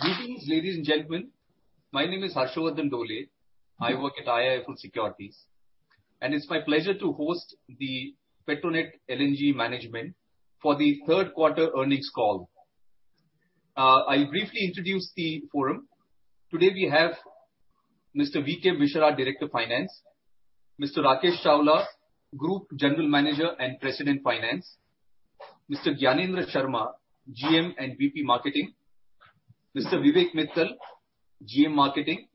Greetings, ladies and gentlemen. My name is Harshvardhan Dole. I work at IIFL Securities, and it's my pleasure to host the Petronet LNG management for the third quarter earnings call. I'll briefly introduce the forum. Today we have Mr. VK Mishra, Director of Finance; Mr. Rakesh Chawla, Group General Manager and President, Finance; Mr. Gyanendra Sharma, GM and VP, Marketing; Mr. Vivek Mittal, GM, Marketing;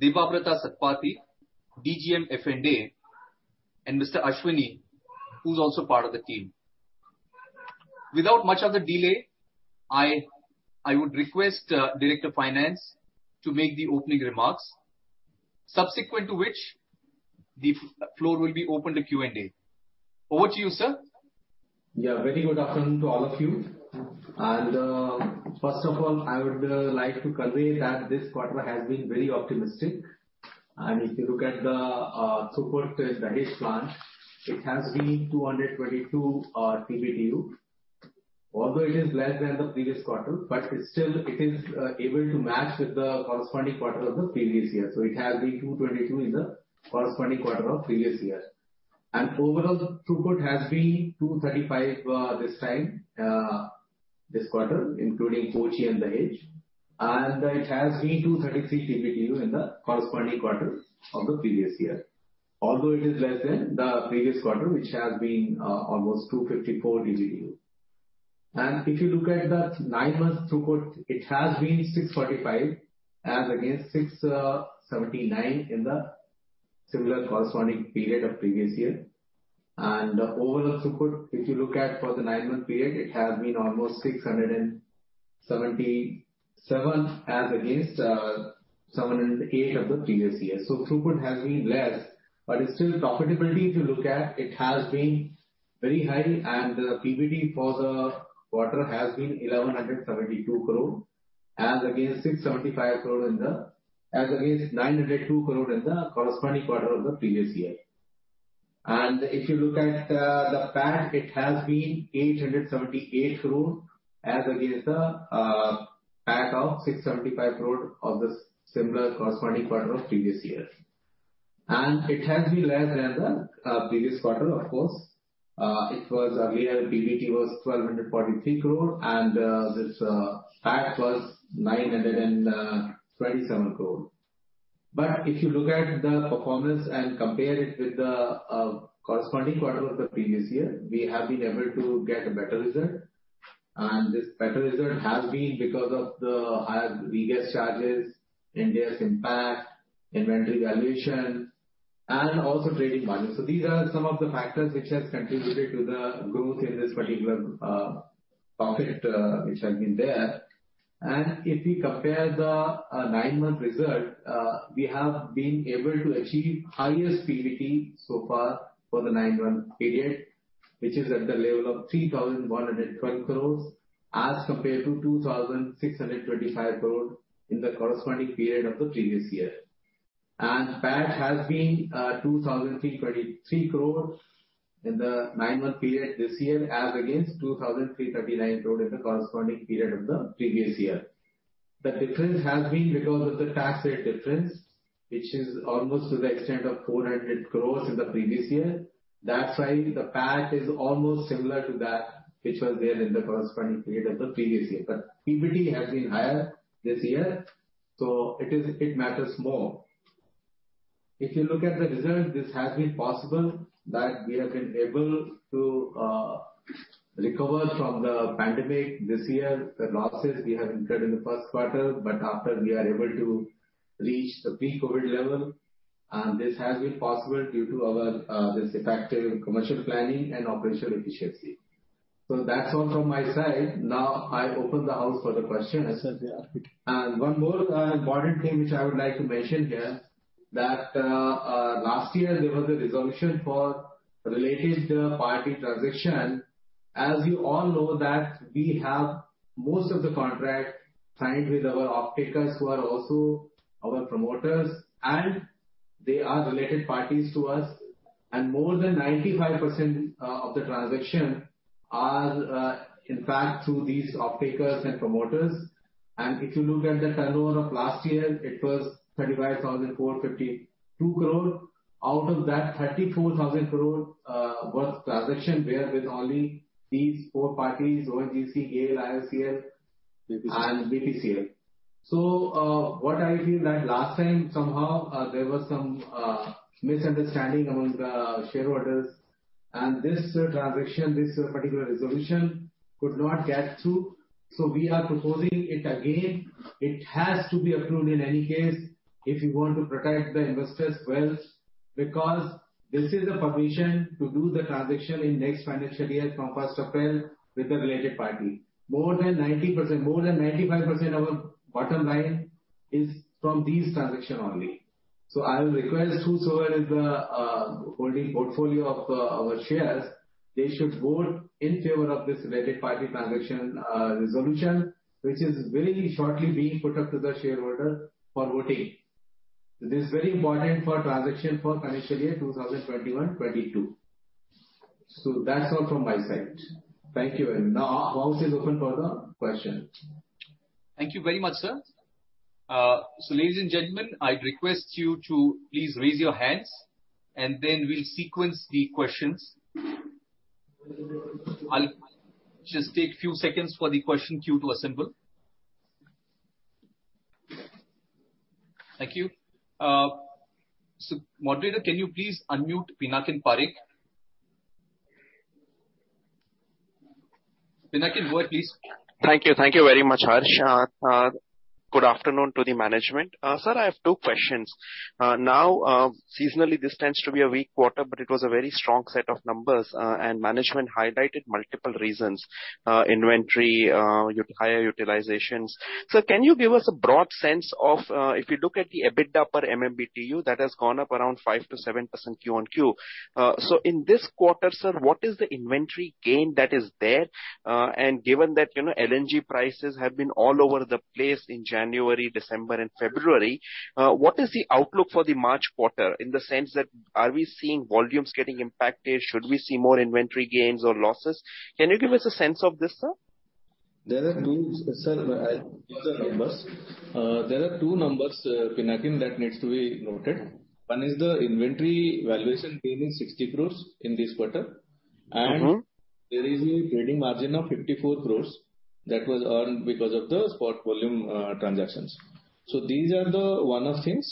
Debabrata Satpathy, DGM, F&A; and Mr. Ashwani, who's also part of the team. Without much of a delay, I would request Director of Finance to make the opening remarks, subsequent to which the floor will be open to Q&A. Over to you, sir. Yeah, very good afternoon to all of you. And first of all, I would like to convey that this quarter has been very optimistic. And if you look at the throughput in the Dahej plant, it has been 222 TBTU. Although it is less than the previous quarter, but still it is able to match with the corresponding quarter of the previous year. So it has been 222 in the corresponding quarter of previous year. And overall, the throughput has been 235 this time this quarter, including Kochi and Dahej, and it has been 233 TBTU in the corresponding quarter of the previous year, although it is less than the previous quarter, which has been almost 254 TBTU. If you look at the nine-month throughput, it has been 645, as against 679 in the similar corresponding period of previous year. The overall throughput, if you look at for the nine-month period, it has been almost 677, as against 708 of the previous year. So throughput has been less, but it's still profitability if you look at, it has been very high, and the PBT for the quarter has been 1,172 crore, as against 675 crore in the—as against 902 crore in the corresponding quarter of the previous year. If you look at the PAT, it has been 878 crore, as against the PAT of 675 crore of the similar corresponding quarter of previous year. And it has been less than the previous quarter, of course. It was earlier, PBT was 1,243 crore, and this PAT was 927 crore. But if you look at the performance and compare it with the corresponding quarter of the previous year, we have been able to get a better result. And this better result has been because of the higher gas charges, index impact, inventory valuation, and also trading margin. So these are some of the factors which have contributed to the growth in this particular profit, which has been there. If we compare the nine-month result, we have been able to achieve highest PBT so far for the nine-month period, which is at the level of 3,112 crore, as compared to 2,625 crore in the corresponding period of the previous year. PAT has been 2,323 crore in the nine-month period this year, as against 2,339 crore in the corresponding period of the previous year. The difference has been because of the tax rate difference, which is almost to the extent of 400 crore in the previous year. That's why the PAT is almost similar to that which was there in the corresponding period of the previous year. But PBT has been higher this year, so it is. It matters more. If you look at the result, this has been possible that we have been able to recover from the pandemic this year, the losses we have incurred in the first quarter, but after we are able to reach the pre-COVID level, and this has been possible due to our this effective commercial planning and operational efficiency. That's all from my side. Now I open the house for the question. Yes, sir. One more important thing which I would like to mention here, that last year there was a resolution for related party transaction. As you all know that we have most of the contract signed with our offtakers, who are also our promoters, and they are related parties to us. And more than 95% of the transaction are in fact through these offtakers and promoters. And if you look at the turnover of last year, it was 35,452 crore. Out of that, 34,000 crore was transaction were with only these four parties, ONGC, GAIL, IOCL- BPCL. and BPCL. So, what I feel that last time somehow, there was some misunderstanding among the shareholders, and this transaction, this particular resolution could not get through. So we are proposing it again. It has to be approved in any case, if you want to protect the investors' wealth, because this is the permission to do the transaction in next financial year, from first April, with the related party. More than 90%—more than 95% of our bottom line is from these transaction only. So I will request whosoever is holding portfolio of our shares, they should vote in favor of this related party transaction resolution, which is very shortly being put up to the shareholder for voting. This is very important for transaction for financial year 2021, 22. So that's all from my side. Thank you. Now house is open for the question. Thank you very much, sir. Ladies and gentlemen, I request you to please raise your hands, and then we'll sequence the questions. I'll just take a few seconds for the question queue to assemble. Thank you. Moderator, can you please unmute Pinakin Parekh? Pinakin, go ahead, please. Thank you. Thank you very much, Harsh. Good afternoon to the management. Sir, I have two questions. Now, seasonally, this tends to be a weak quarter, but it was a very strong set of numbers, and management highlighted multiple reasons, inventory, higher utilizations. So can you give us a broad sense of, if you look at the EBITDA per MMBtu, that has gone up around 5%-7% Q-on-Q. So in this quarter, sir, what is the inventory gain that is there? And given that, you know, LNG prices have been all over the place in January, December and February, what is the outlook for the March quarter, in the sense that are we seeing volumes getting impacted? Should we see more inventory gains or losses? Can you give us a sense of this, sir? There are two, sir. There are two numbers, Pinakin, that needs to be noted. One is the inventory valuation gain is 60 crore in this quarter. There is a trading margin of 54 crore that was earned because of the spot volume transactions. So these are the one-off things,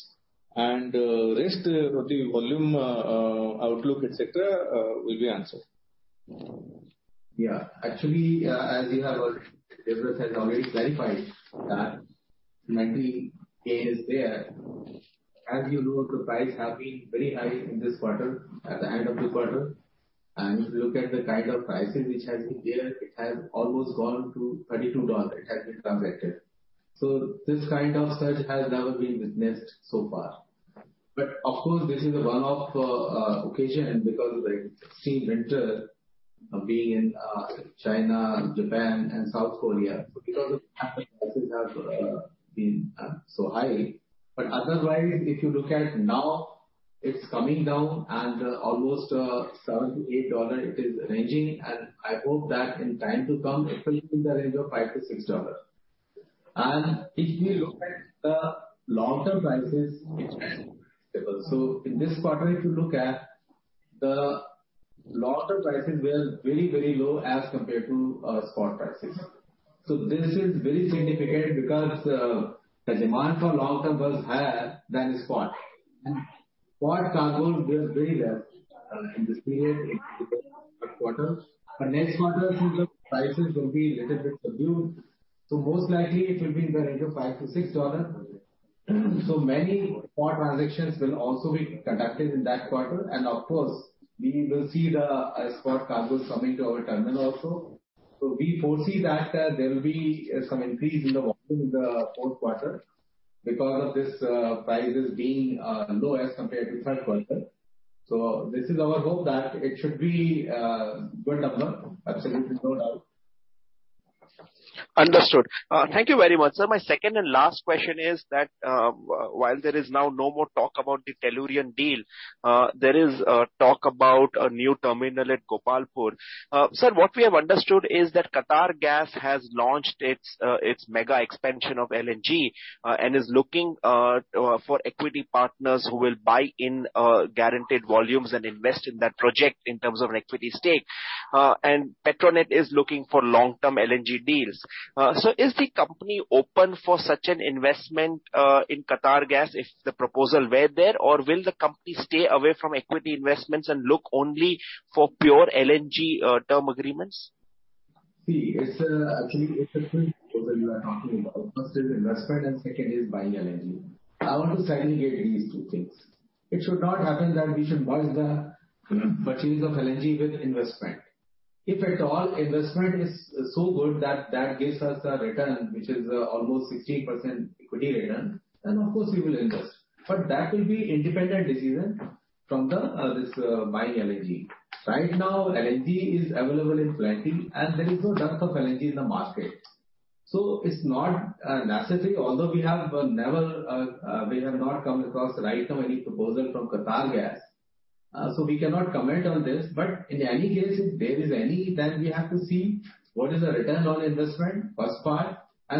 and rest for the volume outlook, et cetera, will be answered. Yeah. Actually, as we have already, this has already clarified that inventory gain is there. As you look, the prices have been very high in this quarter, at the end of this quarter. And if you look at the kind of pricing which has been there, it has almost gone to $32, it has been transacted. So this kind of surge has never been witnessed so far. But of course, this is a one-off occasion because extreme winter being in China, Japan and South Korea. So because of that, prices have been so high. But otherwise, if you look at now, it's coming down and almost $7-$8 it is ranging. And I hope that in time to come, it will be in the range of $5-$6. And if we look at the long-term prices, it's stable. So in this quarter, if you look at the long-term prices were very, very low as compared to spot prices. So this is very significant because the demand for long-term was higher than the spot. And spot cargoes were very less in this period, in the third quarter. But next quarter, since the prices will be little bit subdued, so most likely it will be in the range of $5-$6. So many spot transactions will also be conducted in that quarter. And of course, we will see the spot cargo coming to our terminal also. So we foresee that there will be some increase in the volume in the fourth quarter because of this prices being low as compared to third quarter. So this is our hope that it should be good number. Absolutely, no doubt. Understood. Thank you very much, sir. My second and last question is that, while there is now no more talk about the Tellurian deal, there is talk about a new terminal at Gopalpur. Sir, what we have understood is that Qatargas has launched its mega expansion of LNG, and is looking for equity partners who will buy in guaranteed volumes and invest in that project in terms of an equity stake. And Petronet is looking for long-term LNG deals. So is the company open for such an investment in Qatargas, if the proposal were there, or will the company stay away from equity investments and look only for pure LNG term agreements? See, it's actually a two proposal you are talking about. First is investment and second is buying LNG. I want to segregate these two things. It should not happen that we should merge the purchase of LNG with investment. If at all investment is so good that that gives us the return, which is almost 16% equity return, then of course we will invest. But that will be independent decision from this buying LNG. Right now, LNG is available in plenty, and there is no lack of LNG in the market. So it's not necessary, although we have not come across right now any proposal from Qatargas. So we cannot comment on this, but in any case, if there is any, then we have to see what is the return on investment, first part.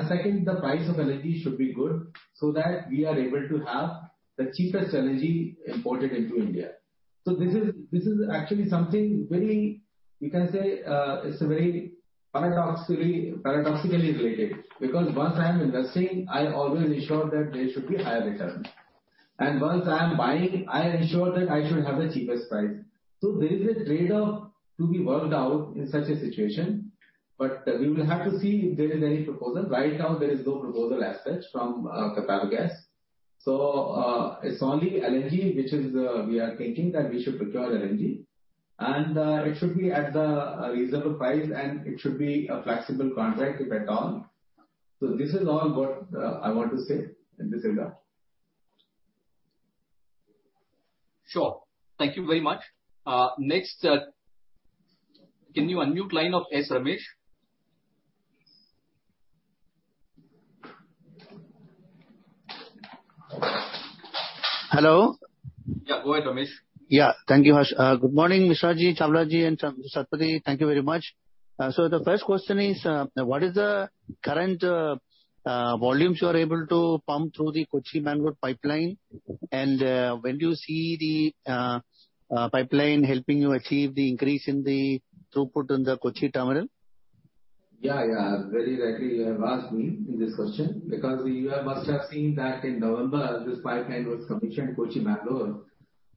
Second, the price of LNG should be good so that we are able to have the cheapest LNG imported into India. So this is, this is actually something very, you can say, it's very paradoxically, paradoxically related, because once I am investing, I always ensure that there should be higher return. And once I am buying, I ensure that I should have the cheapest price. So there is a trade-off to be worked out in such a situation, but we will have to see if there is any proposal. Right now, there is no proposal as such from Qatargas. So, it's only LNG, which is, we are thinking that we should procure LNG, and, it should be at the reasonable price, and it should be a flexible contract, if at all. So this is all what I want to say in this regard. Sure. Thank you very much. Next, can you unmute line of S. Ramesh? Hello? Yeah, go ahead, Amish. Yeah. Thank you, Harsh. Good morning, Mishra-ji, Chawla-ji, and Satpathy, thank you very much. So the first question is, what is the current volumes you are able to pump through the Kochi-Mangalore pipeline? And, when do you see the pipeline helping you achieve the increase in the throughput in the Kochi terminal? Yeah, yeah. Very rightly you have asked me this question, because you must have seen that in November, this pipeline was commissioned, Kochi-Mangaluru,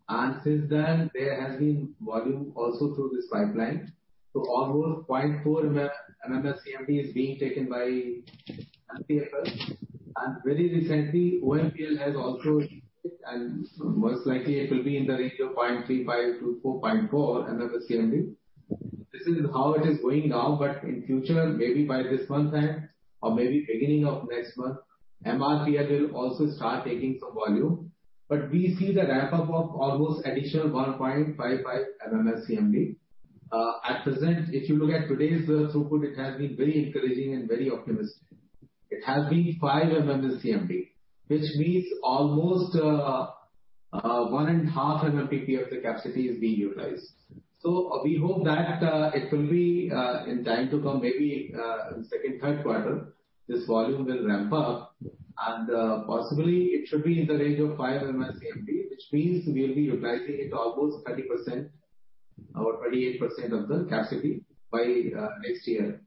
and since then, there has been volume also through this pipeline. So almost 0.4 MMSCMD is being taken by MCFL. And very recently, OMPL has also, and most likely it will be in the range of 0.35-0.44 MMSCMD. This is how it is going now, but in future, maybe by this month end or maybe beginning of next month, MRPL will also start taking some volume. But we see the ramp-up of almost additional 1.55 MMSCMD. At present, if you look at today's throughput, it has been very encouraging and very optimistic. It has been 5 MMSCMD, which means almost 1.5 MMTPA of the capacity is being utilized. So we hope that, it will be, in time to come, maybe, second, third quarter, this volume will ramp up, and, possibly it should be in the range of 5 MMSCMD, which means we will be utilizing it almost 30% or 28% of the capacity by, next year.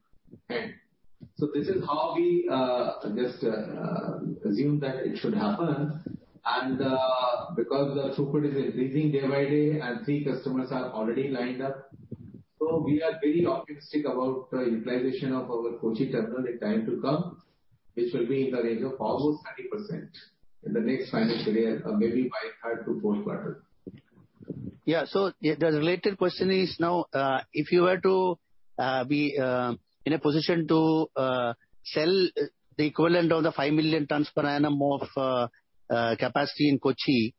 And so this is how we, just, assume that it should happen. And, because the throughput is increasing day by day, and 3 customers are already lined up. So we are very optimistic about the utilization of our Kochi terminal in time to come, which will be in the range of almost 30% in the next financial year, or maybe by third to fourth quarter. Yeah. So the related question is now, if you were to be in a position to sell the equivalent of the 5 million tons per annum of capacity in Kochi,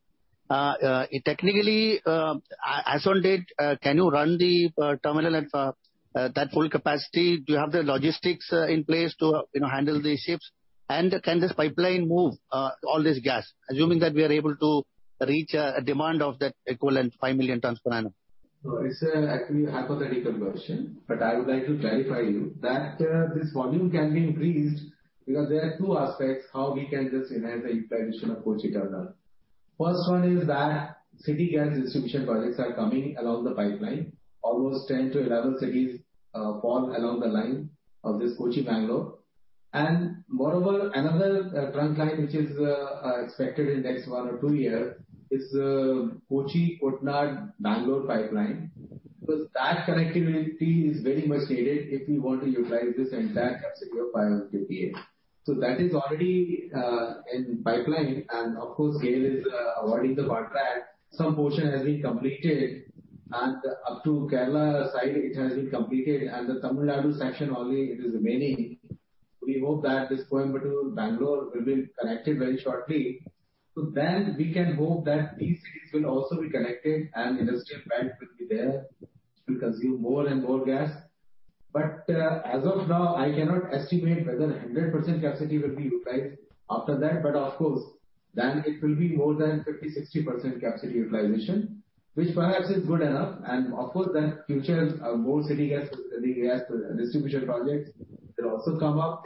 technically, as on date, can you run the terminal at that full capacity? Do you have the logistics in place to, you know, handle the ships? And can this pipeline move all this gas, assuming that we are able to reach a demand of that equivalent 5 million tons per annum? So it's actually a hypothetical question, but I would like to clarify you that this volume can be increased because there are two aspects how we can just enhance the utilization of Kochi terminal. First one is that city gas distribution projects are coming along the pipeline. Almost 10-11 cities fall along the line of this Kochi-Mangaluru. And moreover, another trunk line, which is expected in next 1 or 2 years, is Kochi-Koottanad-Bengaluru pipeline. Because that connectivity is very much needed if we want to utilize this entire capacity of 5 MMTPA. So that is already in pipeline, and of course, GAIL is awarding the contract. Some portion has been completed, and up to Kerala side, it has been completed, and the Tamil Nadu section only it is remaining. We hope that this Coimbatore, Bengaluru, will be connected very shortly. So then we can hope that these cities will also be connected, and industrial belt will be there to consume more and more gas. But, as of now, I cannot estimate whether 100% capacity will be utilized after that. But of course, then it will be more than 50-60% capacity utilization, which perhaps is good enough. And of course, then future, more city gas, the gas distribution projects will also come up.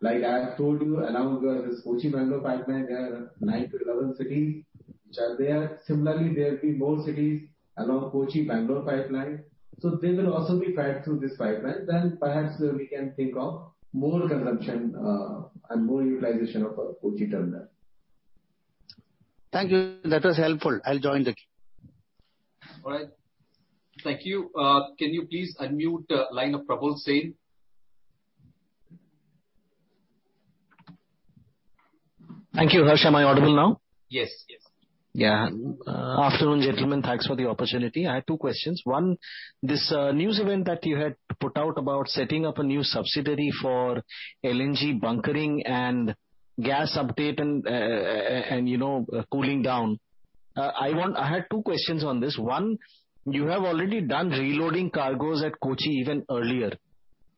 Like I have told you, along the this Kochi-Mangaluru pipeline, there are 9-11 cities which are there. Similarly, there will be more cities along Kochi-Mangaluru pipeline, so they will also be passed through this pipeline. Then perhaps we can think of more consumption, and more utilization of our Kochi terminal. Thank you. That was helpful. I'll join the queue. All right. Thank you. Can you please unmute line of Probal Sen? Thank you, Harsh. Am I audible now? Yes. Yes. Yeah. Afternoon, gentlemen. Thanks for the opportunity. I have two questions. One, this news event that you had put out about setting up a new subsidiary for LNG bunkering and gassing up and, you know, cooling down. I had two questions on this. One, you have already done reloading cargoes at Kochi even earlier.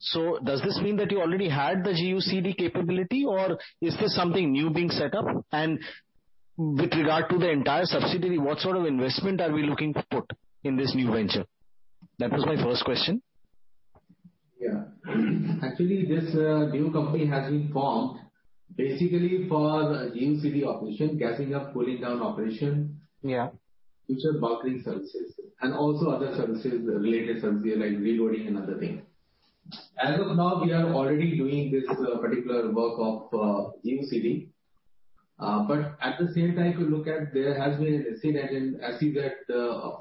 So does this mean that you already had the GUCD capability, or is this something new being set up? And with regard to the entire subsidiary, what sort of investment are we looking to put in this new venture? That was my first question. Yeah. Actually, this new company has been formed basically for the GUCD operation, gassing up, cooling down operation. Yeah. Which are bunkering services, and also other services, related services like reloading and other things. As of now, we are already doing this particular work of GUCD. But at the same time, if you look at there has been an SEZ in, SEZ at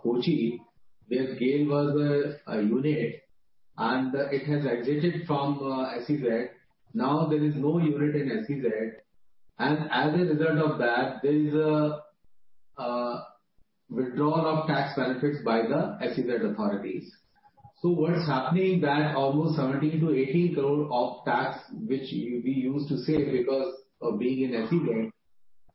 Kochi, where GAIL was a, a unit, and it has exited from SEZ. Now there is no unit in SEZ, and as a result of that, there is a withdrawal of tax benefits by the SEZ authorities. So what's happening is that almost 17 crore-18 crore of tax, which we used to save because of being in SEZ.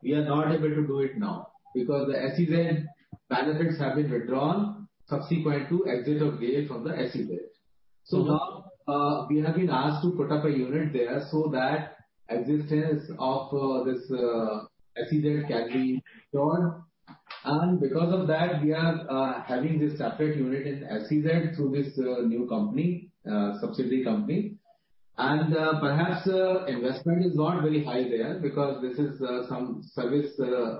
We are not able to do it now, because the SEZ benefits have been withdrawn subsequent to exit of GAIL from the SEZ. So now, we have been asked to put up a unit there so that existence of this SEZ can be drawn. And because of that, we are having this separate unit in SEZ through this new company, subsidiary company. And perhaps, investment is not very high there because this is some service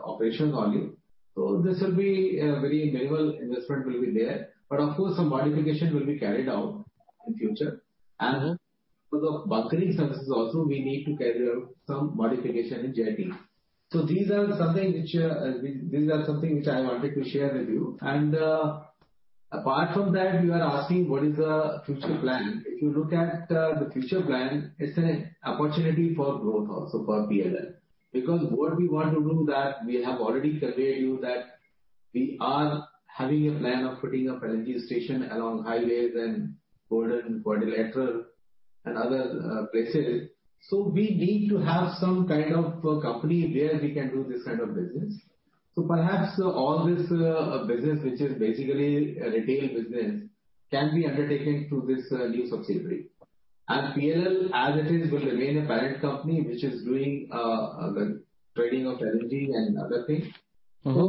operation only. So this will be very minimal investment will be there, but of course, some modification will be carried out in future. And for the bunkering services also, we need to carry out some modification in JT. So these are something which I wanted to share with you. And apart from that, you are asking what is the future plan. If you look at the future plan, it's an opportunity for growth also for PLL. Because what we want to do that we have already conveyed to you that we are having a plan of putting up LNG station along highways and Golden Quadrilateral and other places. So we need to have some kind of a company where we can do this kind of business. So perhaps all this business, which is basically a retail business, can be undertaken through this new subsidiary. And PLL, as it is, will remain a parent company, which is doing the trading of LNG and other things. We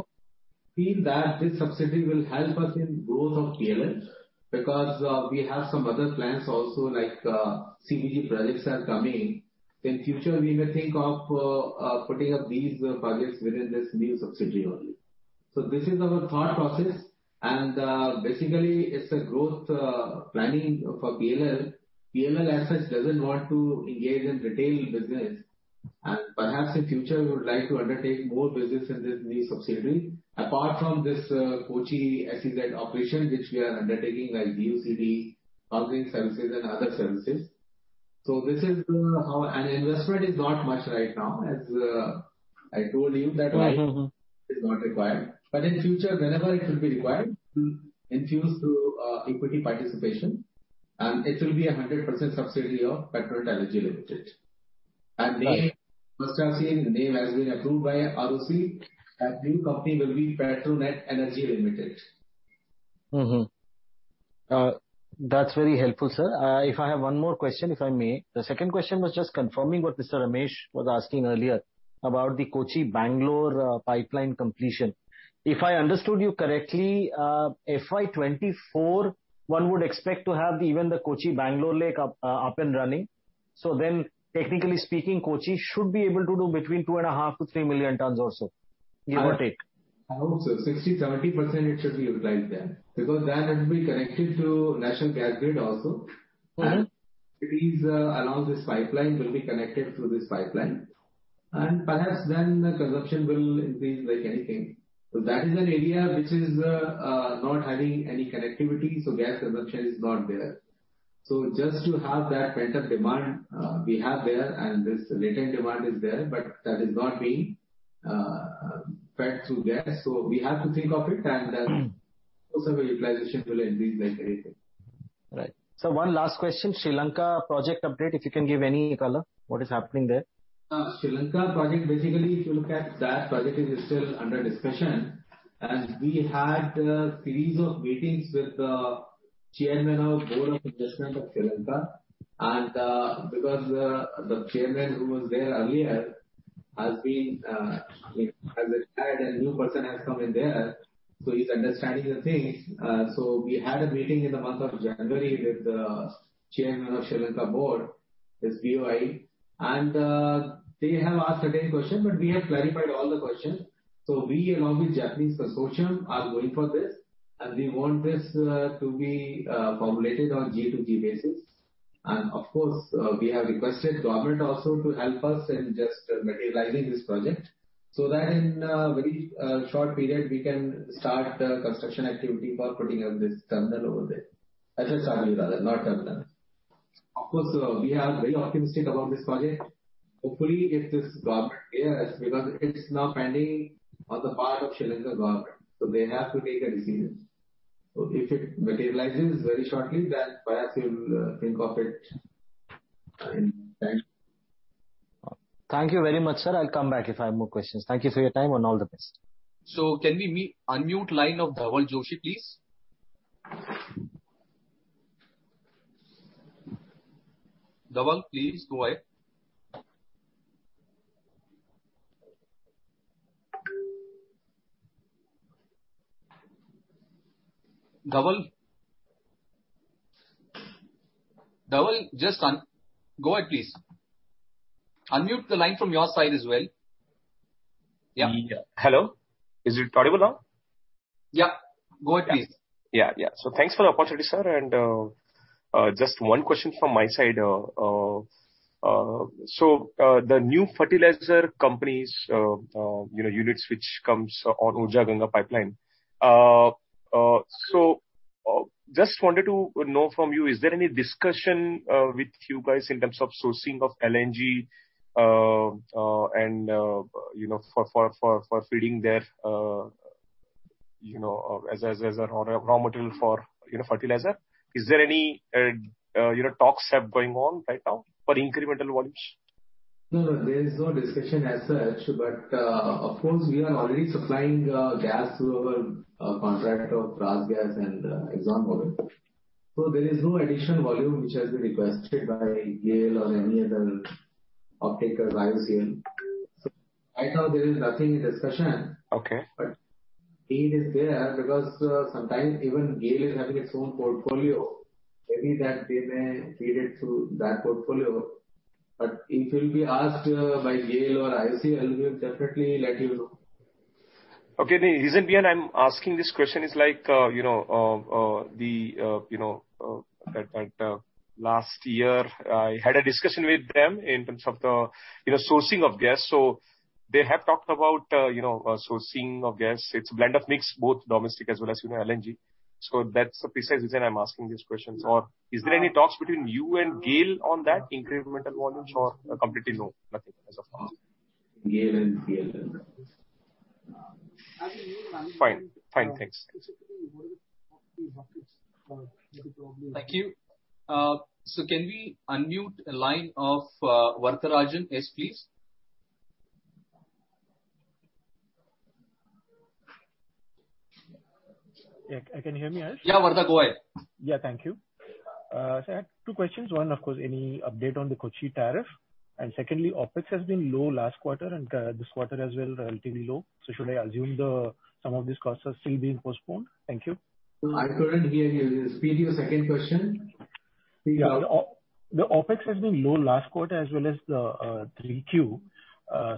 feel that this subsidiary will help us in growth of PLL, because we have some other plans also, like CGD projects are coming. In future, we may think of putting up these projects within this new subsidiary only. So this is our thought process, and basically, it's a growth planning for PLL. PLL, as such, doesn't want to engage in retail business, and perhaps in future, we would like to undertake more business in this new subsidiary, apart from this Kochi SEZ operation, which we are undertaking, like GUCD, bunkering services and other services. So this is how... And investment is not much right now, as I told you that- It's not required. But in future, whenever it will be required, we'll infuse through equity participation, and it will be a 100% subsidiary of Petronet Energy Limited. And name, first I say, name has been approved by ROC, and new company will be Petronet Energy Limited. That's very helpful, sir. If I have one more question, if I may. The second question was just confirming what Mr. Ramesh was asking earlier about the Kochi-Bengaluru pipeline completion. If I understood you correctly, FY 2024, one would expect to have even the Kochi-Bengaluru link up up and running. So then, technically speaking, Kochi should be able to do between 2.5-3 million tons or so, give or take. I hope so. 60%-70%, it should be utilized there, because that will be connected to national gas grid also. Cities along this pipeline will be connected through this pipeline. And perhaps then, the consumption will increase like anything. So that is an area which is not having any connectivity, so gas consumption is not there. So just to have that pent-up demand, we have there, and this latent demand is there, but that is not being fed through gas. So we have to think of it, and then also, the utilization will increase like anything. Right. Sir, one last question, Sri Lanka project update, if you can give any color, what is happening there? Sri Lanka project, basically, if you look at that project, is still under discussion. We had a series of meetings with the chairman of Board of Investment of Sri Lanka. Because the chairman who was there earlier has been, has retired and a new person has come in there, so he's understanding the thing. So we had a meeting in the month of January with the chairman of Sri Lanka Board, the BOI, and they have asked a few questions, but we have clarified all the questions. So we, along with Japanese consortium, are going for this, and we want this to be formulated on G to G basis. Of course, we have requested government also to help us in just materializing this project, so that in a very short period, we can start construction activity for putting up this terminal over there. Actually, factory rather, not terminal. Of course, we are very optimistic about this project. Hopefully, if this government cares, because it's now pending on the part of Sri Lankan government, so they have to make a decision. So if it materializes very shortly, then perhaps we will think of it in time. Thank you very much, sir. I'll come back if I have more questions. Thank you for your time and all the best. So, can we mute, unmute line of Dhaval Joshi, please? Dhaval, please go ahead. Dhaval? Dhaval, just on. Go ahead, please. Unmute the line from your side as well. Yeah. Hello, is it audible now? Yeah. Go ahead, please. Yeah, yeah. So thanks for the opportunity, sir, and just one question from my side. So the new fertilizer companies, you know, units which comes on Urja Ganga Pipeline. So just wanted to know from you, is there any discussion with you guys in terms of sourcing of LNG, and you know, for feeding their you know, as a raw material for you know, fertilizer. Is there any you know, talks have going on right now for incremental volumes? No, there is no discussion as such, but, of course, we are already supplying gas through our contract of RasGas and ExxonMobil. So there is no additional volume which has been requested by GAIL or any other offtakers by RCF. So right now, there is nothing in discussion. But need is there, because, sometimes even GAIL is having its own portfolio, maybe that they may feed it through that portfolio. But if we'll be asked, by GAIL or RCF, we'll definitely let you know. Okay. The reason being I'm asking this question is like, you know, that last year, I had a discussion with them in terms of the, you know, sourcing of gas. So they have talked about, you know, sourcing of gas. It's a blend of mix, both domestic as well as, you know, LNG. So that's the precise reason I'm asking these questions. Or is there any talks between you and GAIL on that incremental volumes or completely no, nothing as of now? GAIL and IOCL. Fine. Thanks. Thank you. So can we unmute the line of S. Varadarajan, please? Yeah. Can you hear me now? Yeah, Varadarajan, go ahead. Yeah, thank you. So I have two questions. One, of course, any update on the Kochi tariff? And secondly, OpEx has been low last quarter, and this quarter as well, relatively low. So should I assume some of these costs are still being postponed? Thank you. I couldn't hear you. Repeat your second question. Yeah. The OpEx has been low last quarter as well as the Q3.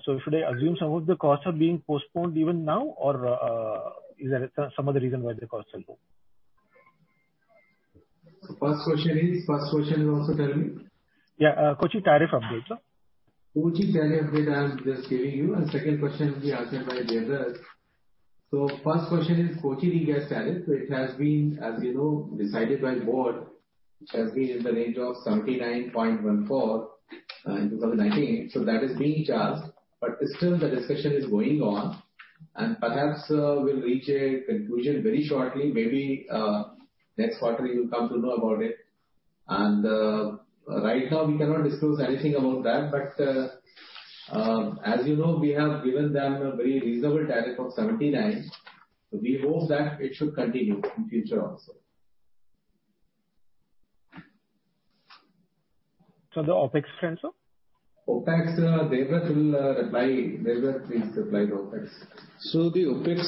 So should I assume some of the costs are being postponed even now, or is there some other reason why the costs are low? First question is... First question, also tell me. Yeah, Kochi tariff update, sir. Kochi tariff update, I'm just giving you. Second question will be answered by Debabrata. So first question is Kochi regas tariff. So it has been, as you know, decided by board, which has been in the range of 79.14 in 2019. So that is being charged, but still the discussion is going on, and perhaps we'll reach a conclusion very shortly, maybe next quarter you'll come to know about it. And right now, we cannot disclose anything about that, but as you know, we have given them a very reasonable tariff of 79. So we hope that it should continue in future also. The OpEx trend, sir? OpEx, Debabrata will reply. Debabrata, please reply to OpEx. So the OpEx,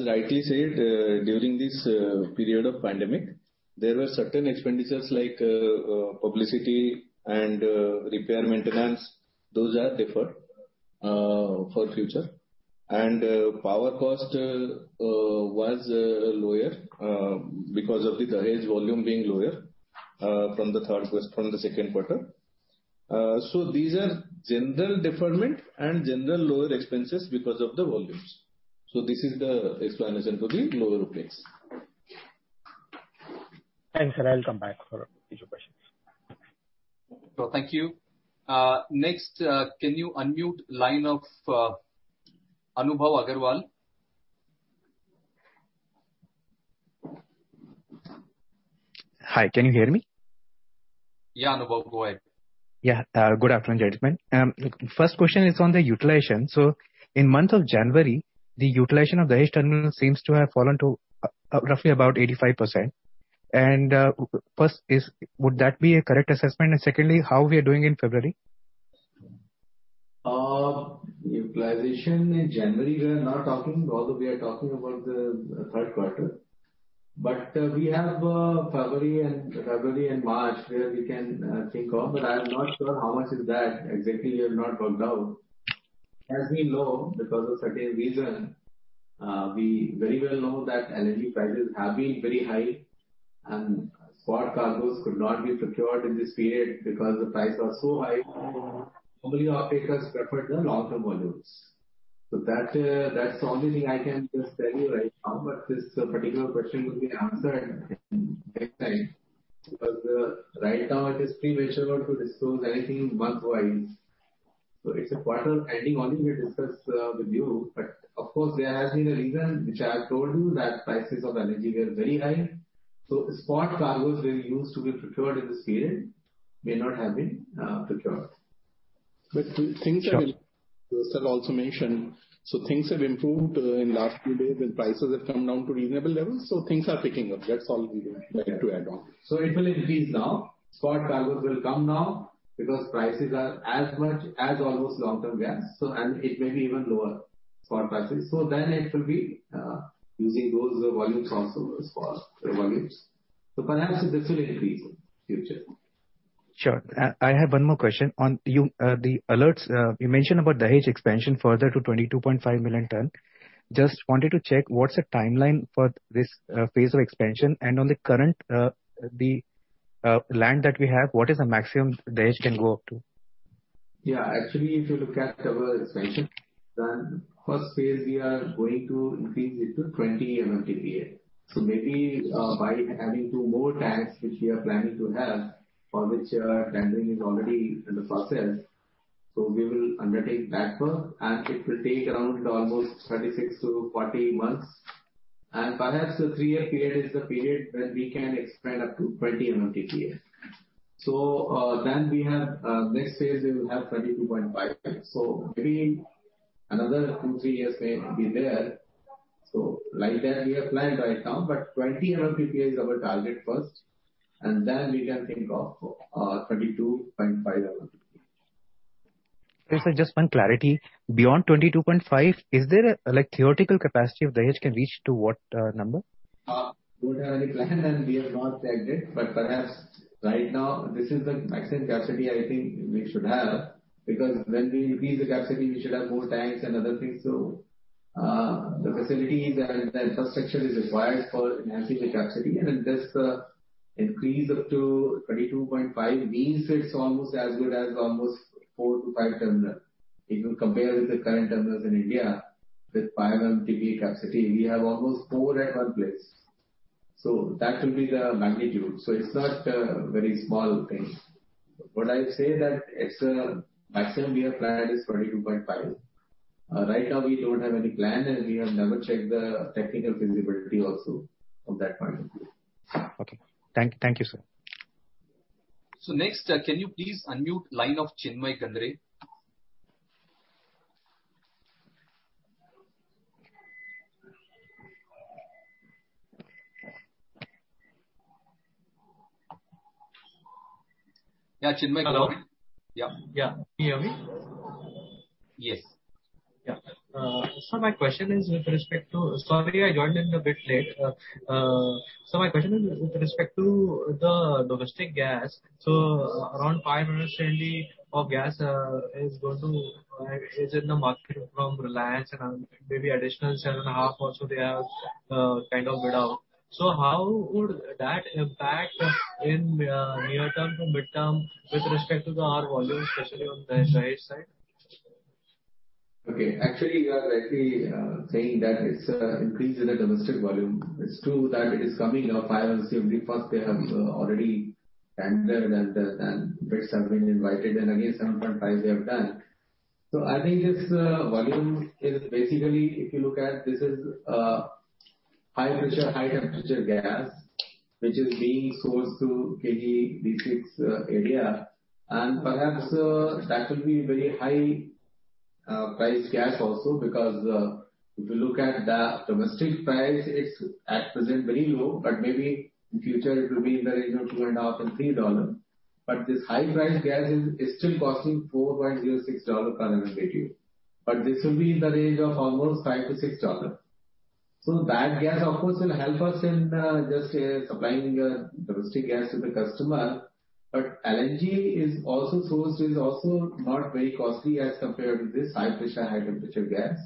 as rightly said, during this period of pandemic, there were certain expenditures like publicity and repair, maintenance. Those are deferred for future. And power cost was lower because of the Dahej volume being lower from the third quarter, from the second quarter. So these are general deferment and general lower expenses because of the volumes. So this is the explanation to the lower OpEx. Thanks, sir. I'll come back for a few more questions. So thank you. Next, can you unmute line of Anubhav Aggarwal? Hi, can you hear me? Yeah, Anubhav, go ahead. Yeah. Good afternoon, gentlemen. First question is on the utilization. So in month of January, the utilization of Dahej terminal seems to have fallen to, roughly about 85%. And first, is, would that be a correct assessment? And secondly, how we are doing in February? Utilization in January, we are not talking, although we are talking about the third quarter. But we have February and February and March, where we can think of, but I'm not sure how much is that. Exactly, we have not worked out. As we know, because of certain reason, we very well know that energy prices have been very high, and spot cargoes could not be procured in this period because the prices are so high. So only offtakers preferred the long-term volumes. So that, that's the only thing I can just tell you right now, but this particular question will be answered in next time. Because right now it is premature to disclose anything month-wise. So it's a quarter ending only we discuss with you. Of course, there has been a reason, which I have told you, that prices of energy were very high. Spot cargoes we used to be procured in this period may not have been procured. Things have- Sure. Sir also mentioned, so things have improved in last few days, and prices have come down to reasonable levels, so things are picking up. That's all we would like to add on. So it will increase now. Spot cargoes will come now because prices are as much as almost long-term gas, so... and it may be even lower, spot prices. So then it will be using those volumes also, the spot volumes. So perhaps this will increase in future. Sure. I have one more question on you, the alerts. You mentioned about Dahej expansion further to 22.5 million ton. Just wanted to check, what's the timeline for this phase of expansion? And on the current, the land that we have, what is the maximum Dahej can go up to? Yeah, actually, if you look at our expansion, then first phase we are going to increase it to 20 MMTPA. So maybe, by adding 2 more tanks, which we are planning to have, for which, tender is already in the process. So we will undertake that work, and it will take around almost 36-40 months. And perhaps the 3-year period is the period when we can expand up to 20 MMTPA. So, then we have, next phase, we will have 22.5. So maybe another 2-3 years may be there. So like that, we have planned right now, but 20 MMTPA is our target first, and then we can think of, 22.5 MMTPA. Sir, just one clarity. Beyond 22.5, is there a, like, theoretical capacity of Dahej can reach to what number? We don't have any plan, and we have not checked it, but perhaps right now, this is the maximum capacity I think we should have, because when we increase the capacity, we should have more tanks and other things. So, the facility and the infrastructure is required for enhancing the capacity, and then this, increase up to 22.5 means it's almost as good as almost 4-5 terminal. If you compare with the current terminals in India, with 5 MMTPA capacity, we have almost 4 at one place. So that will be the magnitude. So it's not a very small thing. But I say that it's, maximum we have planned is 22.5. Right now, we don't have any plan, and we have never checked the technical feasibility also from that point of view. Okay. Thank you, sir. Next, can you please unmute line of Chinmay Gandre? Yeah, Chinmay- Hello. Yeah. Yeah. Can you hear me? Yes. Yeah. So my question is with respect to... Sorry, I joined in a bit late. So my question is with respect to the domestic gas. So around 5 million LNG of gas is going to is in the market from Reliance, and maybe additional 7.5 also they have kind of bid out. So how would that impact in near-term to mid-term with respect to the our volume, especially on the Dahej side? Okay. Actually, you are rightly saying that it's increase in the domestic volume. It's true that it is coming up 5.70. First, they have already tendered, and the bids have been invited, and again, 7.5 they have done. So I think this volume is basically, if you look at, this is high pressure, high temperature gas, which is being sourced to KG-D6 area. And perhaps that will be very high price gas also, because if you look at the domestic price, it's at present very low, but maybe in future it will be in the range of $2.5-$3. But this high price gas is still costing $4.06 per MMBTU, but this will be in the range of almost $5-$6. So that gas, of course, will help us in just supplying domestic gas to the customer. But LNG is also sourced, is also not very costly as compared to this high pressure, high temperature gas.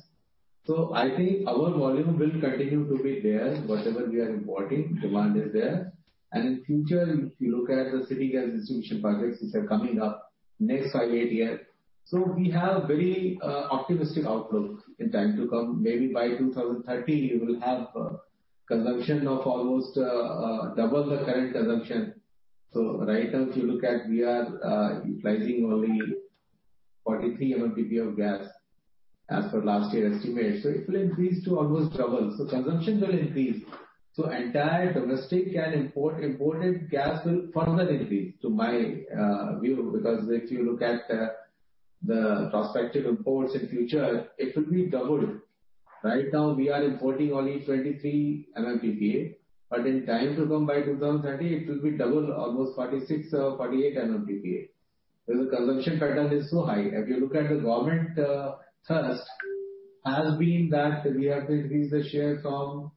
So I think our volume will continue to be there. Whatever we are importing, demand is there. And in future, if you look at the city gas distribution projects, which are coming up next 5-8 years, so we have very optimistic outlook in time to come. Maybe by 2030, we will have consumption of almost double the current consumption. So right now, if you look at, we are utilizing only 43 MMTPA of gas as per last year estimate. So it will increase to almost double. So consumption will increase. So entire domestic and import, imported gas will further increase, to my view, because if you look at the prospective imports in future, it will be double. Right now, we are importing only 23 MMTPA, but in time to come, by 2030, it will be double, almost 46 or 48 MMTPA. Because the consumption pattern is so high. If you look at the government thrust has been that we have to increase the share from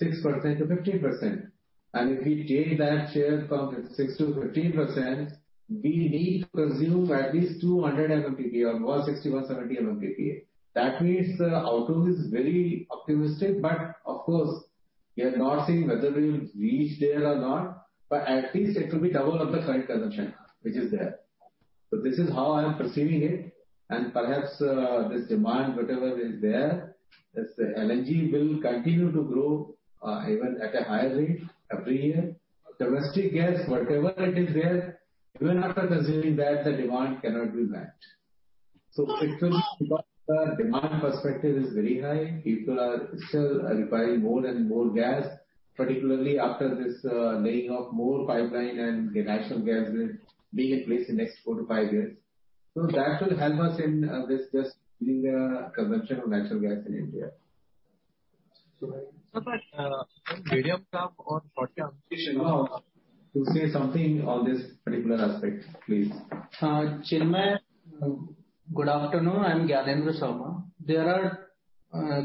6%-15%. And if we take that share from 6%-15%, we need to consume at least 200 MMTPA or more, 60 or 70 MMTPA. That means the outlook is very optimistic, but of course, we are not saying whether we will reach there or not, but at least it will be double of the current consumption which is there. So this is how I am perceiving it, and perhaps, this demand, whatever is there, as the LNG will continue to grow, even at a higher rate every year. Domestic gas, whatever it is there, even after consuming that, the demand cannot be met. So it will. The demand perspective is very high. People are still requiring more and more gas, particularly after this, laying of more pipeline and the natural gas will be in place in next 4-5 years. So that will help us in, this just being a consumption of natural gas in India. So, but, medium term or short term you say something on this particular aspect, please. Chinmay, good afternoon, I'm Gyanendra Sharma. There are,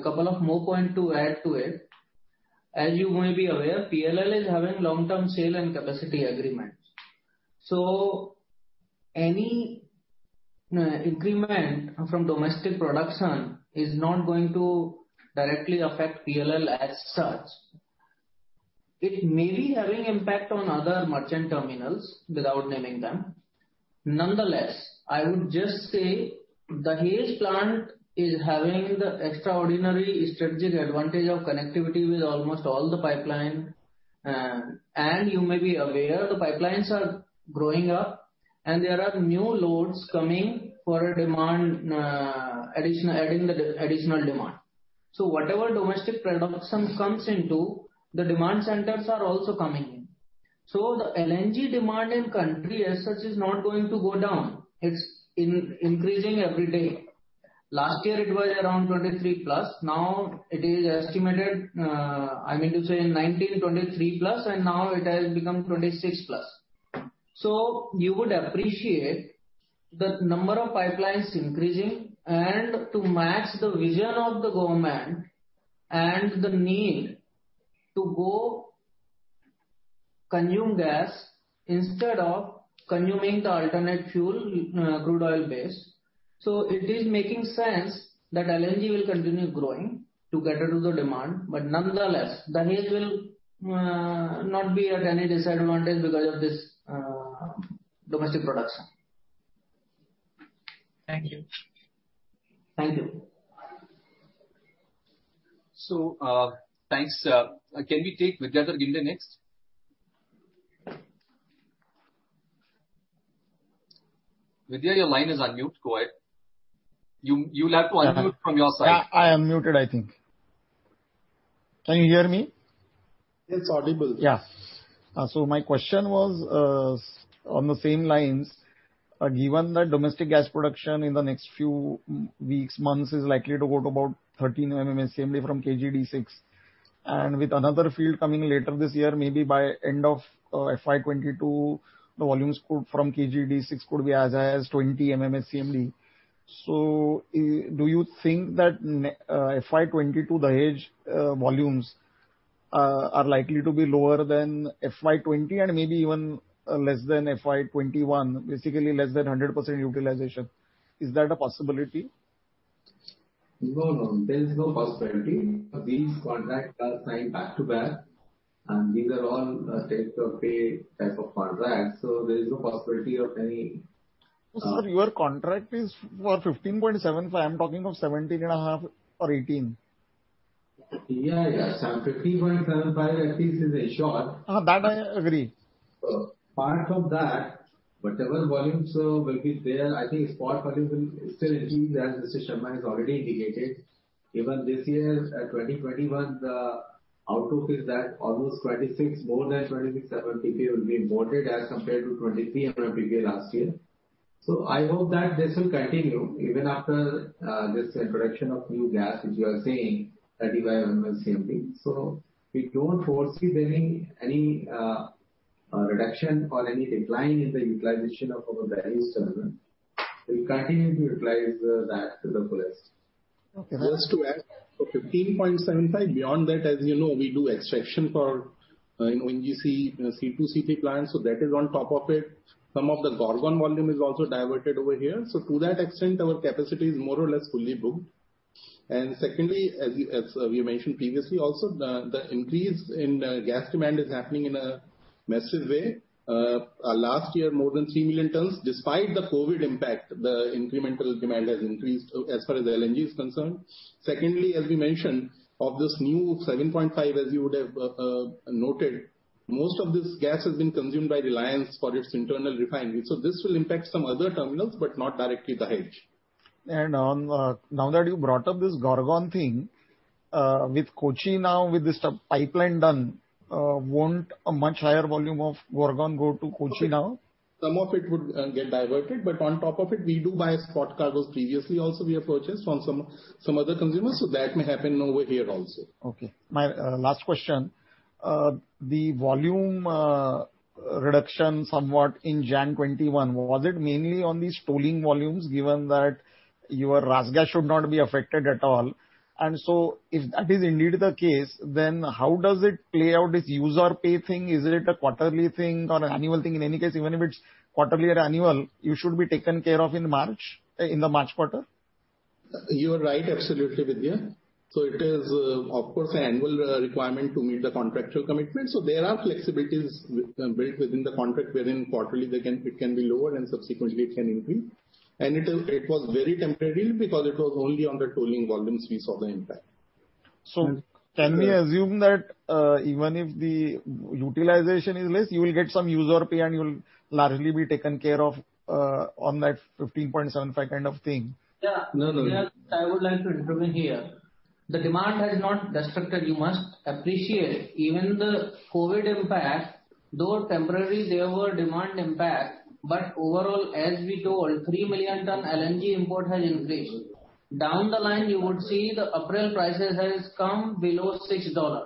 couple of more points to add to it. As you might be aware, PLL is having long-term sale and capacity agreements. So any, increment from domestic production is not going to directly affect PLL as such. It may be having impact on other merchant terminals, without naming them. Nonetheless, I would just say, Dahej plant is having the extraordinary strategic advantage of connectivity with almost all the pipeline. You may be aware, the pipelines are growing up, and there are new loads coming for a demand, additional, adding the additional demand. So whatever domestic production comes into, the demand centers are also coming in. So the LNG demand in country as such, is not going to go down. It's increasing every day. Last year it was around 23+. Now it is estimated. I mean to say in 2023+, and now it has become 2026+. So you would appreciate the number of pipelines increasing and to match the vision of the government and the need to go consume gas instead of consuming the alternate fuel, crude oil base. So it is making sense that LNG will continue growing to cater to the demand, but nonetheless, Dahej will not be at any disadvantage because of this, domestic production. Thank you. Thank you. Thanks, can we take Vidyadhar Ginde next? Vidya, your line is on mute. Go ahead. You, you'll have to unmute from your side. Yeah, I am unmuted, I think. Can you hear me? It's audible. Yeah. So my question was on the same lines. Given that domestic gas production in the next few weeks, months, is likely to go to about 13 MMSCMD from KG-D6, and with another field coming later this year, maybe by end of FY 2022, the volumes from KG-D6 could be as high as 20 MMSCMD. So do you think that in FY 2022, Dahej volumes are likely to be lower than FY 2020, and maybe even less than FY 2021, basically less than 100% utilization? Is that a possibility? No, no. There is no possibility. These contracts are signed back-to-back, and these are all take-or-pay type of contracts, so there is no possibility of any- Sir, your contract is for 15.75. I'm talking of 17.5 or 18. Yeah, yeah. So 15.75, I think, is a short. That, I agree. Apart from that, whatever volumes will be there, I think spot volumes will still increase, as Mr. Sharma has already indicated. Even this year, 2021, the outlook is that almost 26, more than 26 MMTPA will be imported as compared to 23 MMTPA last year. So I hope that this will continue even after this introduction of new gas, which you are saying, 31 MMSCMD. So we don't foresee any reduction or any decline in the utilization of our Dahej terminal. We'll continue to utilize that to the fullest. Okay. Just to add, so 15.75, beyond that, as you know, we do extraction for, you know, ONGC, C2, C3 plants, so that is on top of it. Some of the Gorgon volume is also diverted over here. So to that extent, our capacity is more or less fully booked. And secondly, as we, as we mentioned previously also, the, the increase in, gas demand is happening in a massive way. Last year, more than 3 million tons. Despite the COVID impact, the incremental demand has increased, as far as LNG is concerned. Secondly, as we mentioned, of this new 7.5, as you would have, noted, most of this gas has been consumed by Reliance for its internal refinery. So this will impact some other terminals, but not directly Dahej. Now that you brought up this Gorgon thing, with Kochi now, with this the pipeline done, won't a much higher volume of Gorgon go to Kochi now? Some of it would get diverted, but on top of it, we do buy spot cargoes. Previously also, we have purchased from some other consumers, so that may happen over here also. Okay. My last question: the volume reduction somewhat in January 2021, was it mainly on the tolling volumes, given that your RasGas should not be affected at all? And so if that is indeed the case, then how does it play out, this take-or-pay thing? Is it a quarterly thing or an annual thing? In any case, even if it's quarterly or annual, you should be taken care of in March, in the March quarter. You are right, absolutely, Vidya. So it is, of course, an annual requirement to meet the contractual commitment. So there are flexibilities built within the contract, wherein quarterly they can - it can be lowered, and subsequently it can increase. And it, it was very temporary, because it was only on the tolling volumes we saw the impact. Can we assume that even if the utilization is less, you will get some take or pay, and you will largely be taken care of on that 15.75 kind of thing? Yeah. No, no. I would like to intervene here. The demand has not disrupted. You must appreciate, even the COVID impact, though temporary, there were demand impact, but overall, as we told, 3 million ton LNG import has increased. Down the line, you would see the April prices has come below $6,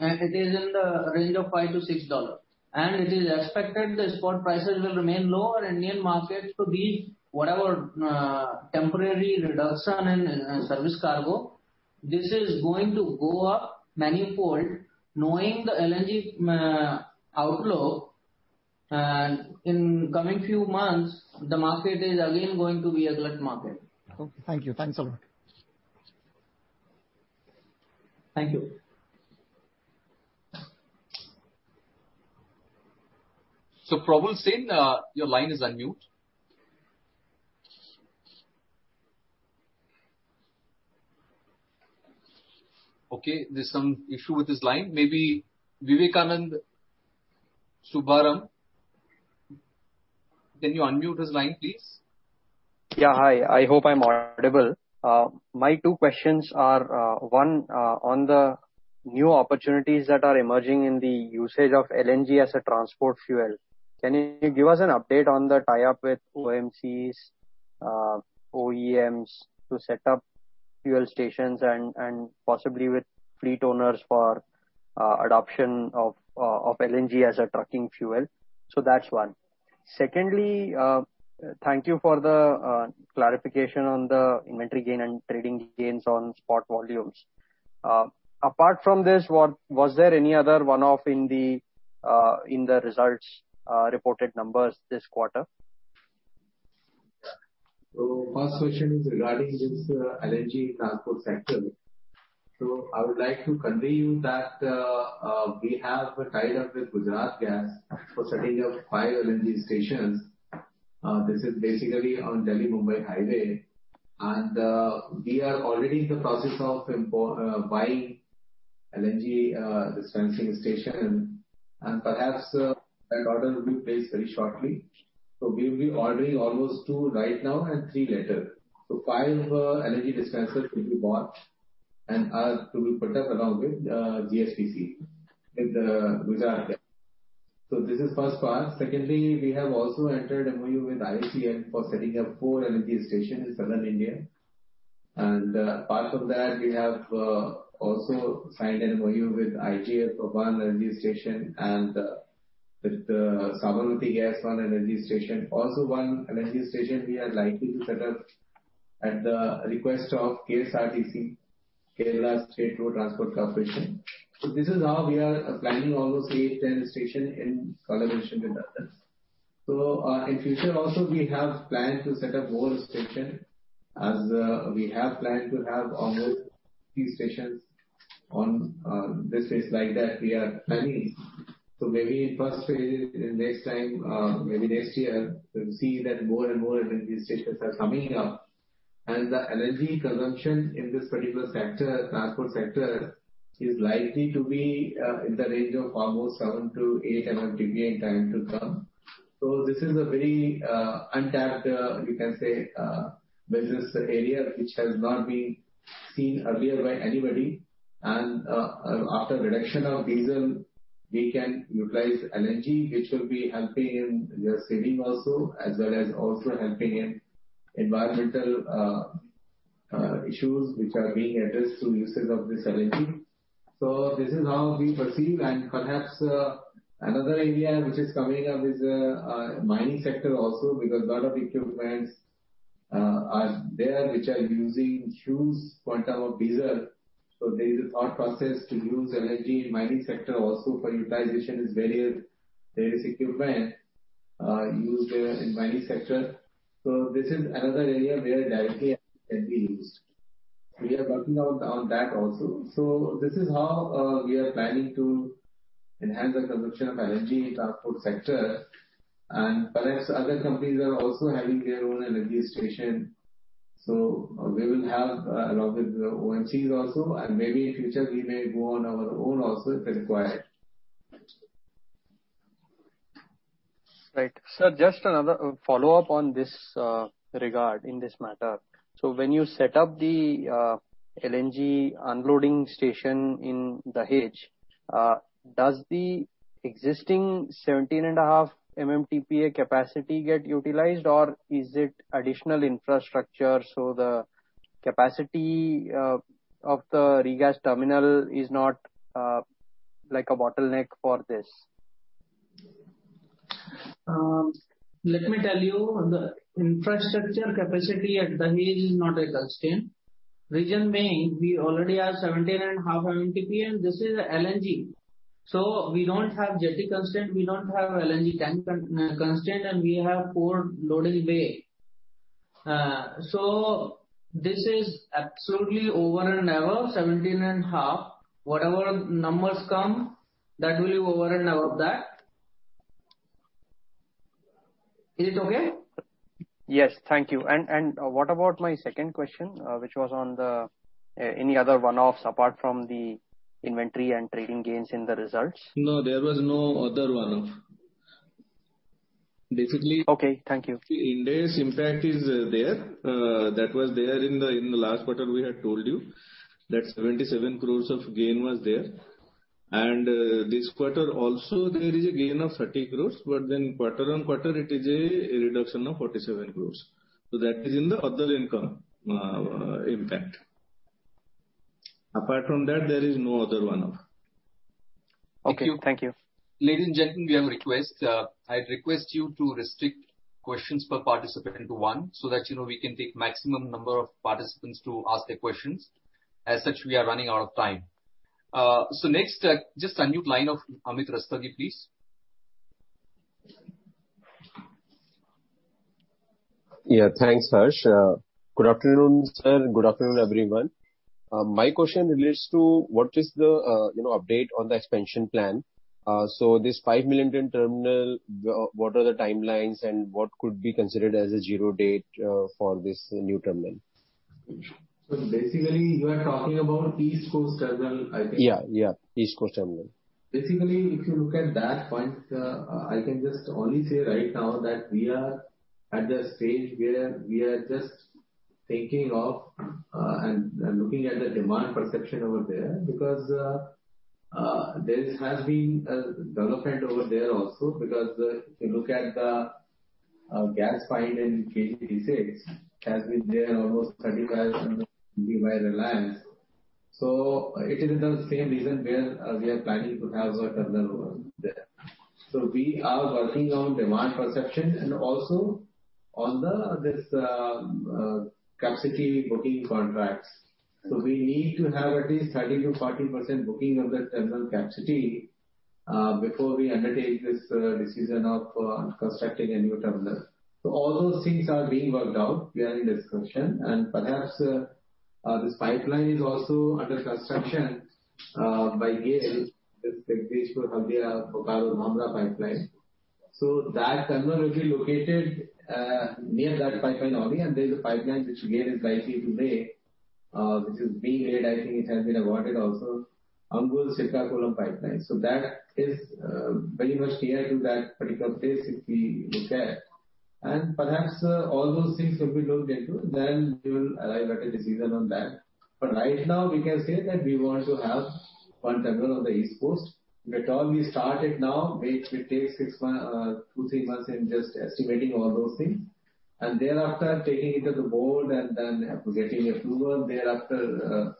and it is in the range of $5-$6. And it is expected the spot prices will remain low, and Indian market to be whatever, temporary reduction in service cargo. This is going to go up manifold, knowing the LNG outlook, and in coming few months, the market is again going to be a glut market. Okay. Thank you. Thanks a lot. Thank you. So, Probal Sen, your line is unmuted. Okay, there's some issue with this line. Maybe Vivekanand Subbaraman, can you unmute his line, please? Yeah. Hi, I hope I'm audible. My two questions are, one, on the new opportunities that are emerging in the usage of LNG as a transport fuel. Can you give us an update on the tie-up with OMCs, OEMs, to set up fuel stations and possibly with fleet owners for adoption of LNG as a trucking fuel? So that's one. Secondly, thank you for the clarification on the inventory gain and trading gains on spot volumes. Apart from this, what was there any other one-off in the results reported numbers this quarter? So first question is regarding this, LNG transport sector. I would like to convey you that we have tied up with Gujarat Gas for setting up five LNG stations. This is basically on Delhi-Mumbai highway. We are already in the process of buying LNG dispensing station, and perhaps that order will be placed very shortly. We will be ordering almost two right now and three later. Five LNG dispensers will be bought and are to be put up along with GSPC with Gujarat Gas. This is first part. Secondly, we have also entered MOU with IOCL for setting up four LNG station in Southern India. Apart from that, we have also signed an MOU with IGL for one LNG station and with Sabarmati Gas, one LNG station. Also, one LNG station we are likely to set up at the request of KSRTC, Kerala State Road Transport Corporation. So this is how we are planning almost 8-10 stations in collaboration with others. So, in future also, we have planned to set up more stations as we have planned to have almost 3 stations on this space like that we are planning. So maybe in first phase, in next time, maybe next year, we'll see that more and more LNG stations are coming up. And the LNG consumption in this particular sector, transport sector, is likely to be in the range of almost 7-8 MMTPA in time to come. So this is a very untapped, you can say, business area which has not been seen earlier by anybody. After reduction of diesel, we can utilize LNG, which will be helping in their saving also, as well as also helping in environmental issues which are being addressed through usage of this LNG. So this is how we perceive. Perhaps another area which is coming up is mining sector also, because lot of equipment are there, which are using huge quantum of diesel. So there is a thought process to use LNG in mining sector also for utilization is various, various equipment used there in mining sector. So this is another area where directly can be used. We are working on that also. So this is how we are planning to enhance the consumption of LNG transport sector, and perhaps other companies are also having their own LNG station. So we will have, along with ONGC also, and maybe in future we may go on our own also, if required. Right. Sir, just another follow-up on this regard, in this matter. So when you set up the LNG unloading station in Dahej, does the existing 17.5 MMTPA capacity get utilized, or is it additional infrastructure, so the capacity of the regas terminal is not like a bottleneck for this? Let me tell you, the infrastructure capacity at Dahej is not a constraint. Right now, we already have 17.5 MMTPA, and this is LNG. So we don't have jetty constraint, we don't have LNG tank constraint, and we have 4 loading bays. So this is absolutely over and above 17.5. Whatever numbers come, that will be over and above that. Is it okay? Yes. Thank you. And what about my second question, which was on any other one-offs apart from the inventory and trading gains in the results? No, there was no other one-off. Basically- Okay, thank you. The Ind AS impact is there. That was there in the last quarter; we had told you that 77 crore of gain was there. This quarter also, there is a gain of 30 crore, but then quarter-on-quarter it is a reduction of 47 crore. So that is in the other income impact. Apart from that, there is no other one-off. Okay. Thank you. Ladies and gentlemen, we have a request. I request you to restrict questions per participant to one, so that, you know, we can take maximum number of participants to ask their questions. As such, we are running out of time. So next, just unmute line of Amit Rustagi, please. Yeah, thanks, Harsh. Good afternoon, sir, and good afternoon, everyone. My question relates to what is the, you know, update on the expansion plan? So this 5 million ton terminal, what are the timelines and what could be considered as a zero date, for this new terminal? So basically, you are talking about East Coast terminal, I think. Yeah, yeah, East Coast terminal. Basically, if you look at that point, I can just only say right now that we are at the stage where we are just thinking of and looking at the demand perception over there, because there has been a development over there also, because if you look at the gas find in KG Basin has been there almost 35 by Reliance. So it is the same reason where we are planning to have a terminal over there. So we are working on demand perception and also on this capacity booking contracts. So we need to have at least 30%-40% booking of the terminal capacity before we undertake this decision of constructing a new terminal. So all those things are being worked out. We are in discussion. Perhaps this pipeline is also under construction by GAIL, this Jagdishpur-Haldia-Bokaro-Dhamra pipeline. So that terminal will be located near that pipeline only, and there is a pipeline which GAIL is likely to lay, which is being laid, I think it has been awarded also, Angul-Srikakulam pipeline. So that is very much near to that particular place, if we look at. And perhaps all those things will be looked into, then we will arrive at a decision on that. But right now, we can say that we want to have one terminal on the east coast, which all we started now, which will take six months, two, three months in just estimating all those things. And thereafter, taking it to the board and then after getting approval, thereafter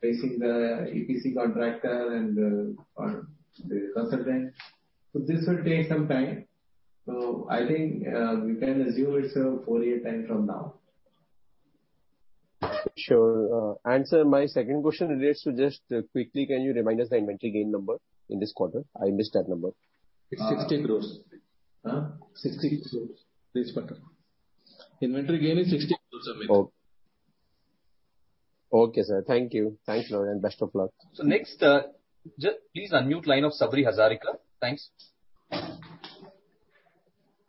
facing the EPC contractor and the consultant. So this will take some time. I think we can assume it's a four-year time from now. Sure. And sir, my second question relates to just quickly, can you remind us the inventory gain number in this quarter? I missed that number. It's 60 crore. Sixty crore this quarter. Inventory gain is 60 crore. Okay. Okay, sir. Thank you. Thanks a lot, and best of luck. Next, just please unmute line of Sabri Hazarika. Thanks.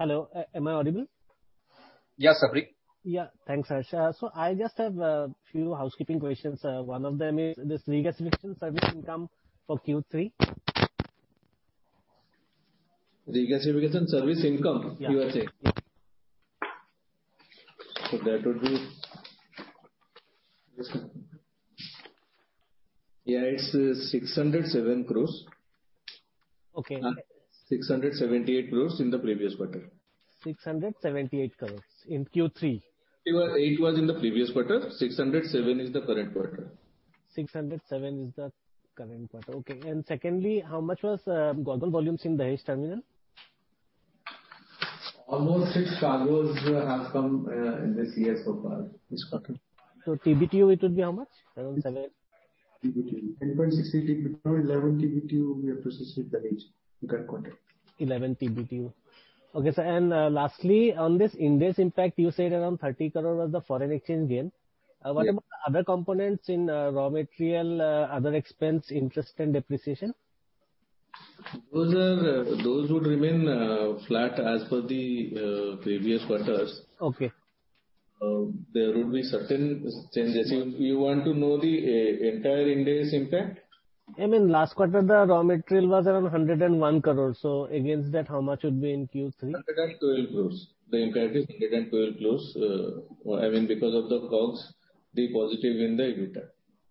Hello, am I audible? Yeah, Sabri. Yeah. Thanks, Harsha. So I just have a few housekeeping questions. One of them is this regasification service income for Q3. Regasification service income, Q3? Yeah. So that would be... Yeah, it's 607 crore. Okay. 678 crore in the previous quarter. 678 crore in Q3? 8 was in the previous quarter, 607 is the current quarter. 607 is the current quarter. Okay. And secondly, how much was cargo volumes in Dahej terminal? Almost six cargoes have come in this year so far, this quarter. So TBTU, it would be how much, around seven? TBTU, 8.60, 11 TBTU, we are processing Dahej in current quarter. 11 TBTU. Okay, sir, and lastly, on this index impact, you said around 30 crore was the foreign exchange gain. What about other components in raw material, other expense, interest and depreciation? Those are those would remain flat as per the previous quarters. Okay. There would be certain changes. You want to know the entire index impact? I mean, last quarter, the raw material was around 101 crore. So against that, how much would be in Q3? 112 crore. The impact is 112 crore, I mean, because of the COGS, the positive in the EBITDA.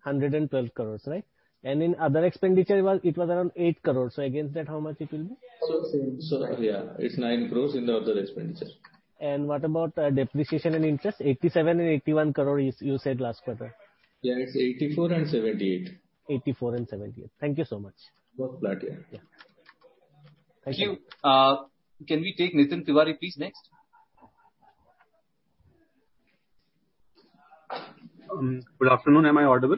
112 crore, right? And in other expenditure was, it was around 8 crore. So against that, how much it will be? So, same. So, yeah, it's 9 crore in the other expenditure. What about depreciation and interest? 87 crore and 81 crore, you, you said last quarter. Yeah, it's 84 and 78. 84 and 78. Thank you so much. Work flat, yeah. Yeah. Thank you. Can we take Nitin Tiwari, please, next? Good afternoon. Am I audible?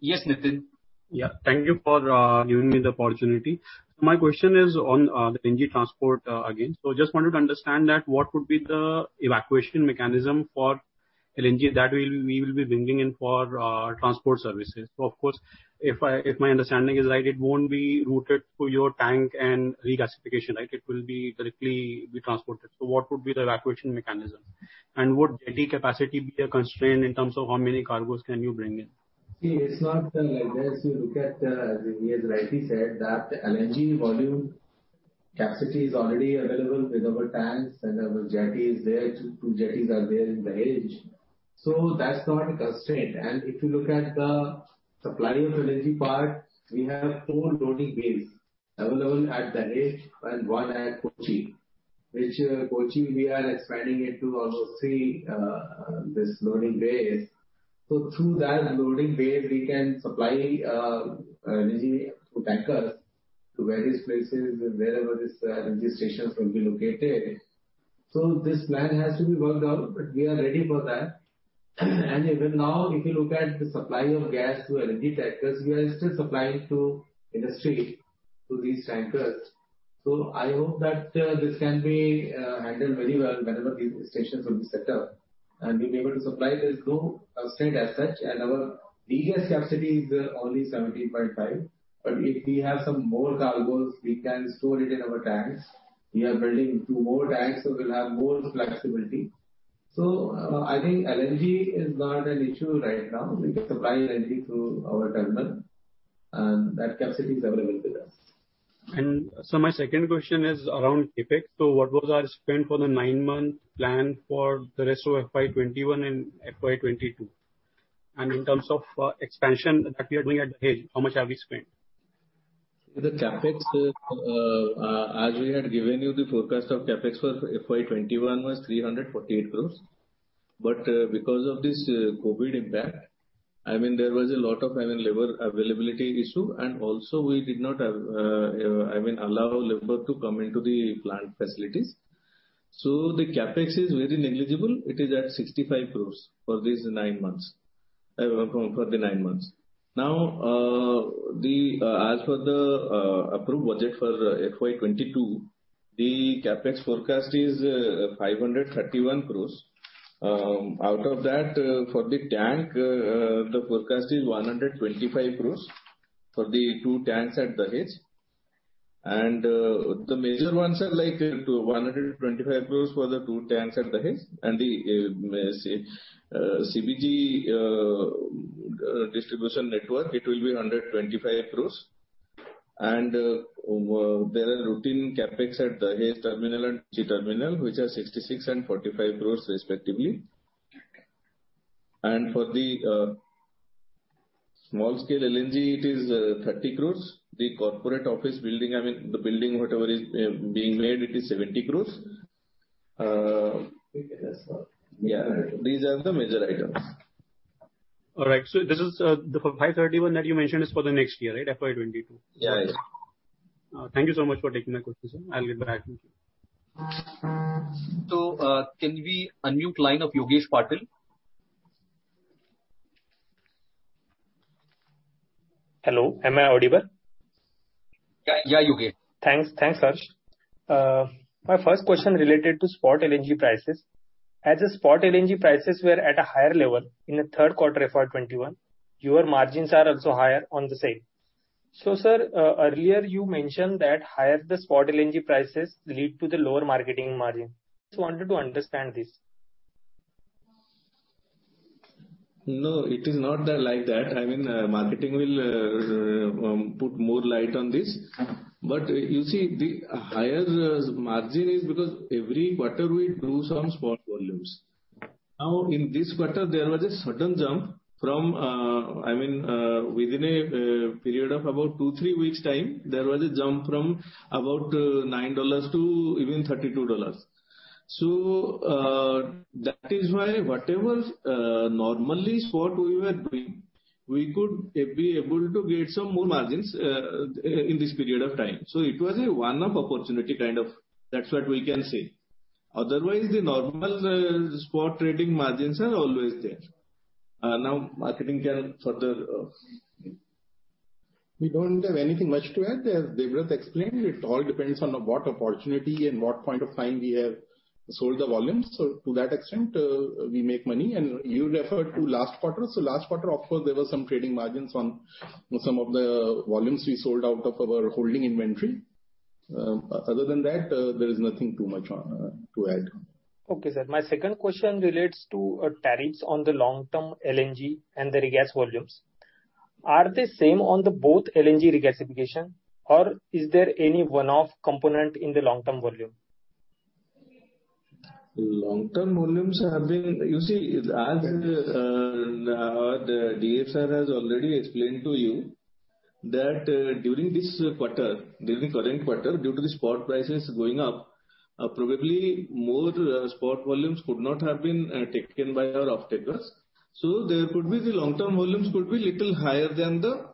Yes, Nitin. Yeah. Thank you for giving me the opportunity. My question is on the LNG transport again. So just wanted to understand that what would be the evacuation mechanism for LNG that we will be bringing in for transport services? So of course, if my understanding is right, it won't be routed through your tank and regasification, right? It will be directly be transported. So what would be the evacuation mechanism? And would jetty capacity be a constraint in terms of how many cargos can you bring in? See, it's not like this. You look at, as he has rightly said, that the LNG volume capacity is already available with our tanks and our jetty is there, two jetties are there in Dahej. So that's not a constraint. And if you look at the supply of LNG part, we have four loading bays available at Dahej and one at Kochi, which, Kochi, we are expanding it to almost three, this loading bays. So through that loading bay, we can supply, LNG to tankers, to various places and wherever this, LNG stations will be located. So this plan has to be worked out, but we are ready for that. And even now, if you look at the supply of gas to LNG tankers, we are still supplying to industry, to these tankers. So I hope that this can be handled very well whenever these stations will be set up, and we'll be able to supply this through a state as such, and our biggest capacity is only 17.5. But if we have some more cargoes, we can store it in our tanks. We are building two more tanks, so we'll have more flexibility. So, I think LNG is not an issue right now. We are supplying LNG through our terminal, and that capacity is available with us. And so my second question is around CapEx. So what was our spend for the nine-month plan for the rest of FY 2021 and FY 2022? And in terms of expansion that we are doing at Dahej, how much have we spent? The CapEx, as we had given you the forecast of CapEx for FY 2021 was 348 crore. But, because of this COVID impact, I mean, there was a lot of, I mean, labor availability issue, and also we did not have, I mean, allow labor to come into the plant facilities. So the CapEx is very negligible. It is at 65 crore for these nine months, for the nine months. Now, as for the approved budget for FY 2022, the CapEx forecast is 531 crore. Out of that, for the tank, the forecast is 125 crore for the two tanks at Dahej. The major ones are like to 125 crore for the two tanks at Dahej, and the CPG distribution network, it will be 125 crore. There are routine CapEx at Dahej terminal and terminal, which are 66 crore and 45 crore respectively. For the small scale LNG, it is 30 crore. The corporate office building, I mean, the building, whatever is being made, it is 70 crore. I think that's all. Yeah, these are the major items. All right, so this is the 531 that you mentioned is for the next year, right? FY 2022. Yeah. Thank you so much for taking my question, sir. I'll get back with you. Can we unmute line of Yogesh Patil? Hello, am I audible? Yeah, yeah, Yogesh. Thanks. Thanks, Harsh. My first question related to spot LNG prices. As the spot LNG prices were at a higher level in the third quarter of FY 21, your margins are also higher on the same. So, sir, earlier you mentioned that higher the spot LNG prices lead to the lower marketing margin. Just wanted to understand this. No, it is not like that. I mean, marketing will put more light on this. But you see, the higher margin is because every quarter we do some spot volumes. Now, in this quarter, there was a sudden jump from, I mean, within a period of about 2-3 weeks' time, there was a jump from about $9 to even $32. So, that is why whatever normally spot we were doing, we could be able to get some more margins in this period of time. So it was a one-off opportunity, kind of. That's what we can say. Otherwise, the normal spot trading margins are always there. Now, marketing can further... We don't have anything much to add. As Debabrata explained, it all depends on what opportunity and what point of time we have sold the volumes. So to that extent, we make money. And you referred to last quarter. So last quarter, of course, there were some trading margins on some of the volumes we sold out of our holding inventory. Other than that, there is nothing too much on to add. Okay, sir. My second question relates to tariffs on the long-term LNG and the regas volumes. Are they same on the both LNG regasification, or is there any one-off component in the long-term volume? Long-term volumes have been... You see, as the Director has already explained to you, that during this quarter, during the current quarter, due to the spot prices going up, probably more spot volumes could not have been taken by our offtakers. So there could be the long-term volumes could be little higher than the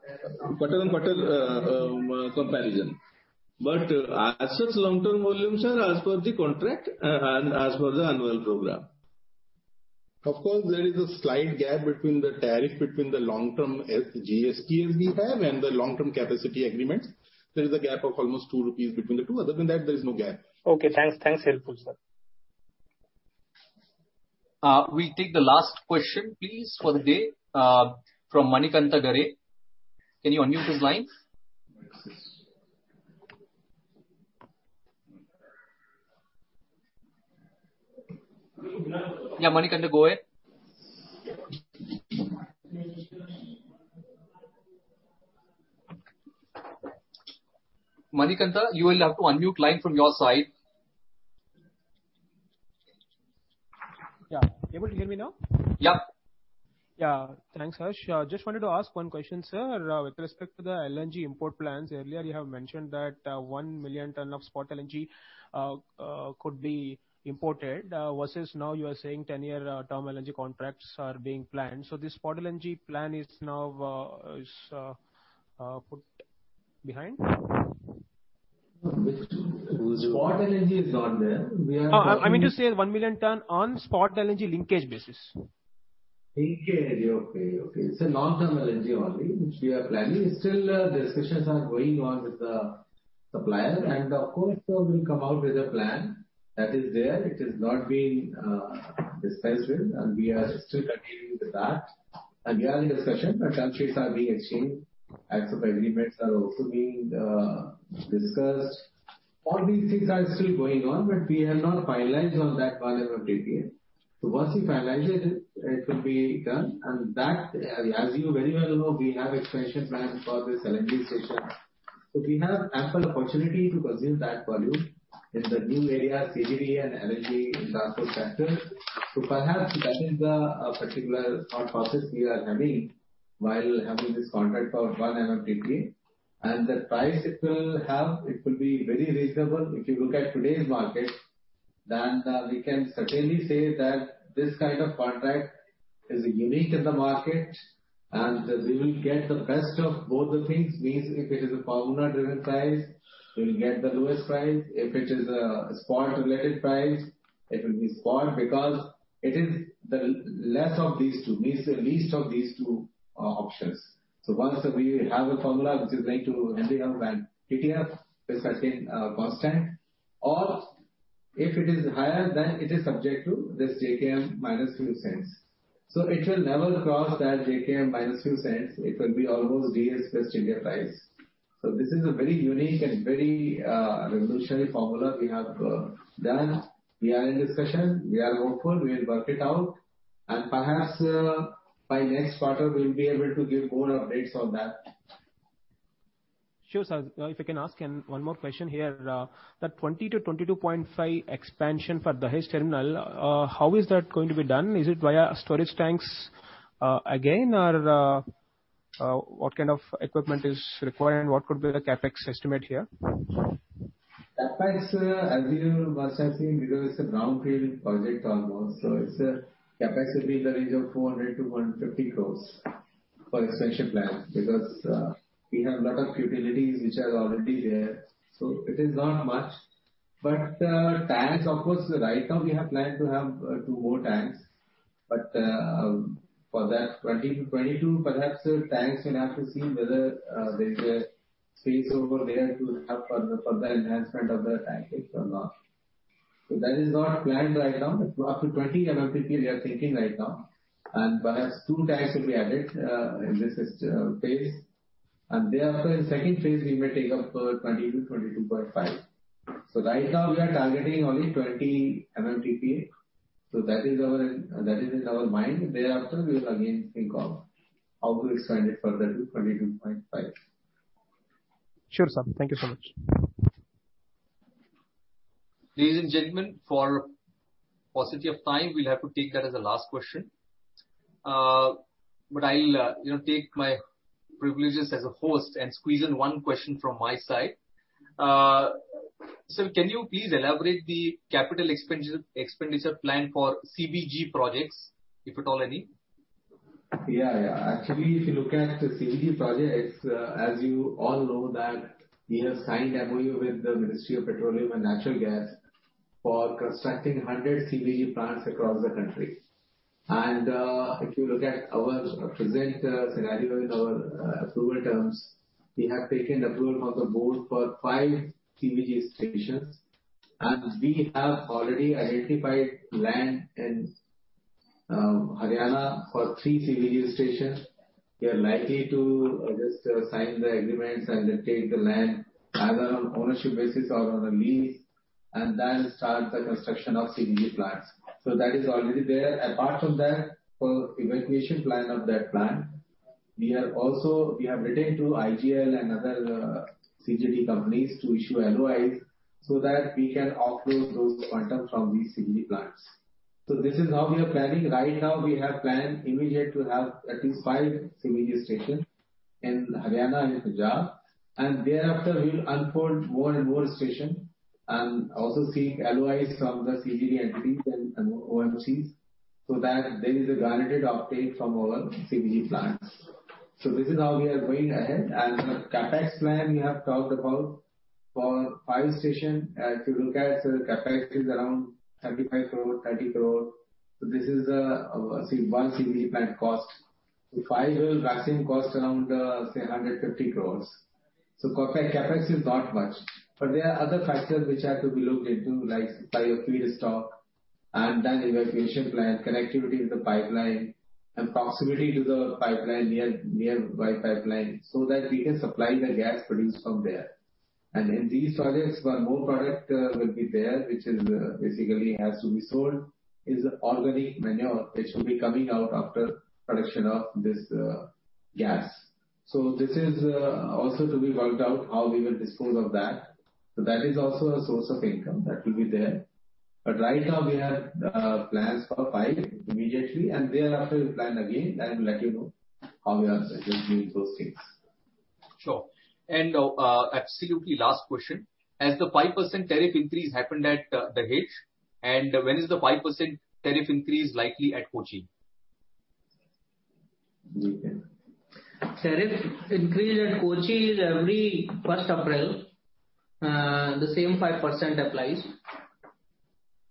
quarter-over-quarter comparison. But as such, long-term volumes are as per the contract and as per the annual program. Of course, there is a slight gap between the tariff, between the long-term GSQ as we have and the long-term capacity agreements. There is a gap of almost 2 rupees between the two. Other than that, there is no gap. Okay, thanks. Thanks, helpful, sir. We take the last question, please, for the day, from Manikanta Garre. Can you unmute his line? Yeah, Manikanta, go ahead. Manikanta, you will have to unmute line from your side. Yeah. Able to hear me now? Yeah. Yeah. Thanks, Harsh. Just wanted to ask one question, sir. With respect to the LNG import plans, earlier you have mentioned that, 1 million ton of spot LNG could be imported, versus now you are saying 10-year term LNG contracts are being planned. So this spot LNG plan is now, is put behind? Spot LNG is not there. We are- I mean to say 1 million ton on spot LNG linkage basis. Okay. It's a long-term LNG only, which we are planning. Still, the discussions are going on with the supplier, and of course, we'll come out with a plan that is there. It has not been dispensed with, and we are still continuing with that. And we are in discussion, the term sheets are being exchanged, acts of agreements are also being discussed. All these things are still going on, but we have not finalized on that one MMTPA. So once we finalize it, it will be done, and that, as you very well know, we have expansion plan for this LNG station. So we have ample opportunity to consume that volume in the new area, CBG and LNG industrial sector. So perhaps that is the particular thought process we are having while having this contract for one MMTPA. And the price it will have, it will be very reasonable. If you look at today's market, then we can certainly say that this kind of contract is unique in the market, and we will get the best of both the things. Means if it is a formula-driven price, we'll get the lowest price. If it is a spot-related price, it will be spot because it is the less of these two, means the least of these two options. So once we have a formula which is going to ending up when TTF is staying constant, or if it is higher, then it is subject to this JKM minus few cents. So it will never cross that JKM minus few cents. It will be almost DES plus India price. So this is a very unique and very revolutionary formula we have done. We are in discussion, we are hopeful we will work it out, and perhaps, by next quarter, we'll be able to give more updates on that. Sure, sir. If you can ask one more question here, that 20-22.5 expansion for Dahej terminal, how is that going to be done? Is it via storage tanks again, or what kind of equipment is required, and what could be the CapEx estimate here? CapEx, as we must have seen, because it's a greenfield project almost, so it's a... CapEx will be in the range of 150-400 crores for expansion plan, because we have lot of utilities which are already there, so it is not much. Tanks, of course, right now we have planned to have two more tanks, but for that 20-22, perhaps, tanks will have to see whether there is a space over there to have for the, for the enhancement of the tankage or not. So that is not planned right now. Up to 20 MMTPA, we are thinking right now, and perhaps two tanks will be added in this phase. Thereafter, in second phase, we may take up 20-22.5. So right now we are targeting only 20 MMTPA, so that is our... that is in our mind. Thereafter, we will again think of how we expand it further to 22.5. Sure, sir. Thank you so much. Ladies and gentlemen, for paucity of time, we'll have to take that as the last question. But I'll, you know, take my privileges as a host and squeeze in one question from my side. So can you please elaborate the capital expenditure plan for CBG projects, if at all, any? Yeah. Actually, if you look at the CBG project, it's... As you all know that we have signed MOU with the Ministry of Petroleum and Natural Gas for constructing 100 CBG plants across the country. And, if you look at our present, scenario in our, approval terms, we have taken approval from the board for five CBG stations, and we have already identified land in, Haryana for three CBG stations. We are likely to just, sign the agreements and then take the land either on ownership basis or on a lease, and then start the construction of CBG plants. So that is already there. Apart from that, for evacuation plan of that plant, we have written to IGL and other, CGD companies to issue LOIs so that we can offload those quantum from these CBG plants. So this is how we are planning. Right now, we have planned immediate to have at least five CBG stations in Haryana and Punjab, and thereafter we will unfold more and more station, and also seek LOIs from the CBG entities and, and OMCs, so that there is a guaranteed offtake from our CBG plants. So this is how we are going ahead. And the CapEx plan we have talked about for five station, if you look at the CapEx is around 35 crore, 30 crore. So this is, say, one CBG plant cost. So five will roughly cost around, say, 150 crores. So CapEx is not much, but there are other factors which have to be looked into, like feedstock and then evacuation plan, connectivity with the pipeline, and proximity to the pipeline, nearby pipeline, so that we can supply the gas produced from there. And in these projects, one more product will be there, which is basically has to be sold, is organic manure, which will be coming out after production of this gas. So this is also to be worked out, how we will dispose of that. So that is also a source of income that will be there. But right now we have plans for five immediately, and thereafter we'll plan again, and I'll let you know how we are doing those things. Sure. And, absolutely last question: Has the 5% tariff increase happened at Dahej, and when is the 5% tariff increase likely at Kochi? Yeah. Tariff increase at Kochi is every first April, the same 5% applies.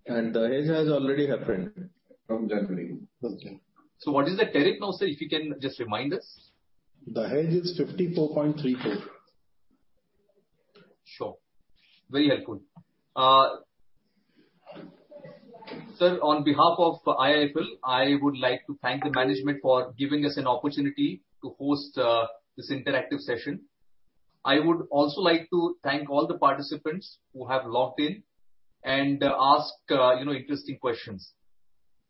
Dahej has already happened from January first. What is the tariff now, sir? If you can just remind us? Dahej is INR 54.3 crore. Sure. Very helpful. Sir, on behalf of IIFL, I would like to thank the management for giving us an opportunity to host this interactive session. I would also like to thank all the participants who have logged in and asked, you know, interesting questions.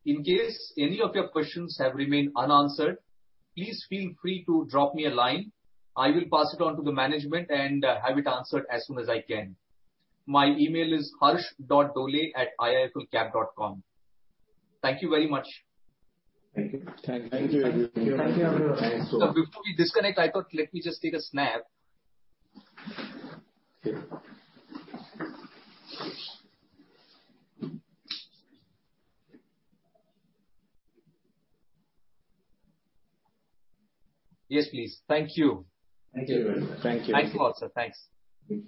In case any of your questions have remained unanswered, please feel free to drop me a line. I will pass it on to the management and have it answered as soon as I can. My email is harsh.dole@iiflcap.com. Thank you very much. Thank you. Thank you. Thank you. Thank you. Sir, before we disconnect, I thought, let me just take a snap. Yes, please. Thank you. Thank you. Thank you. Thanks a lot, sir. Thanks. Thank you.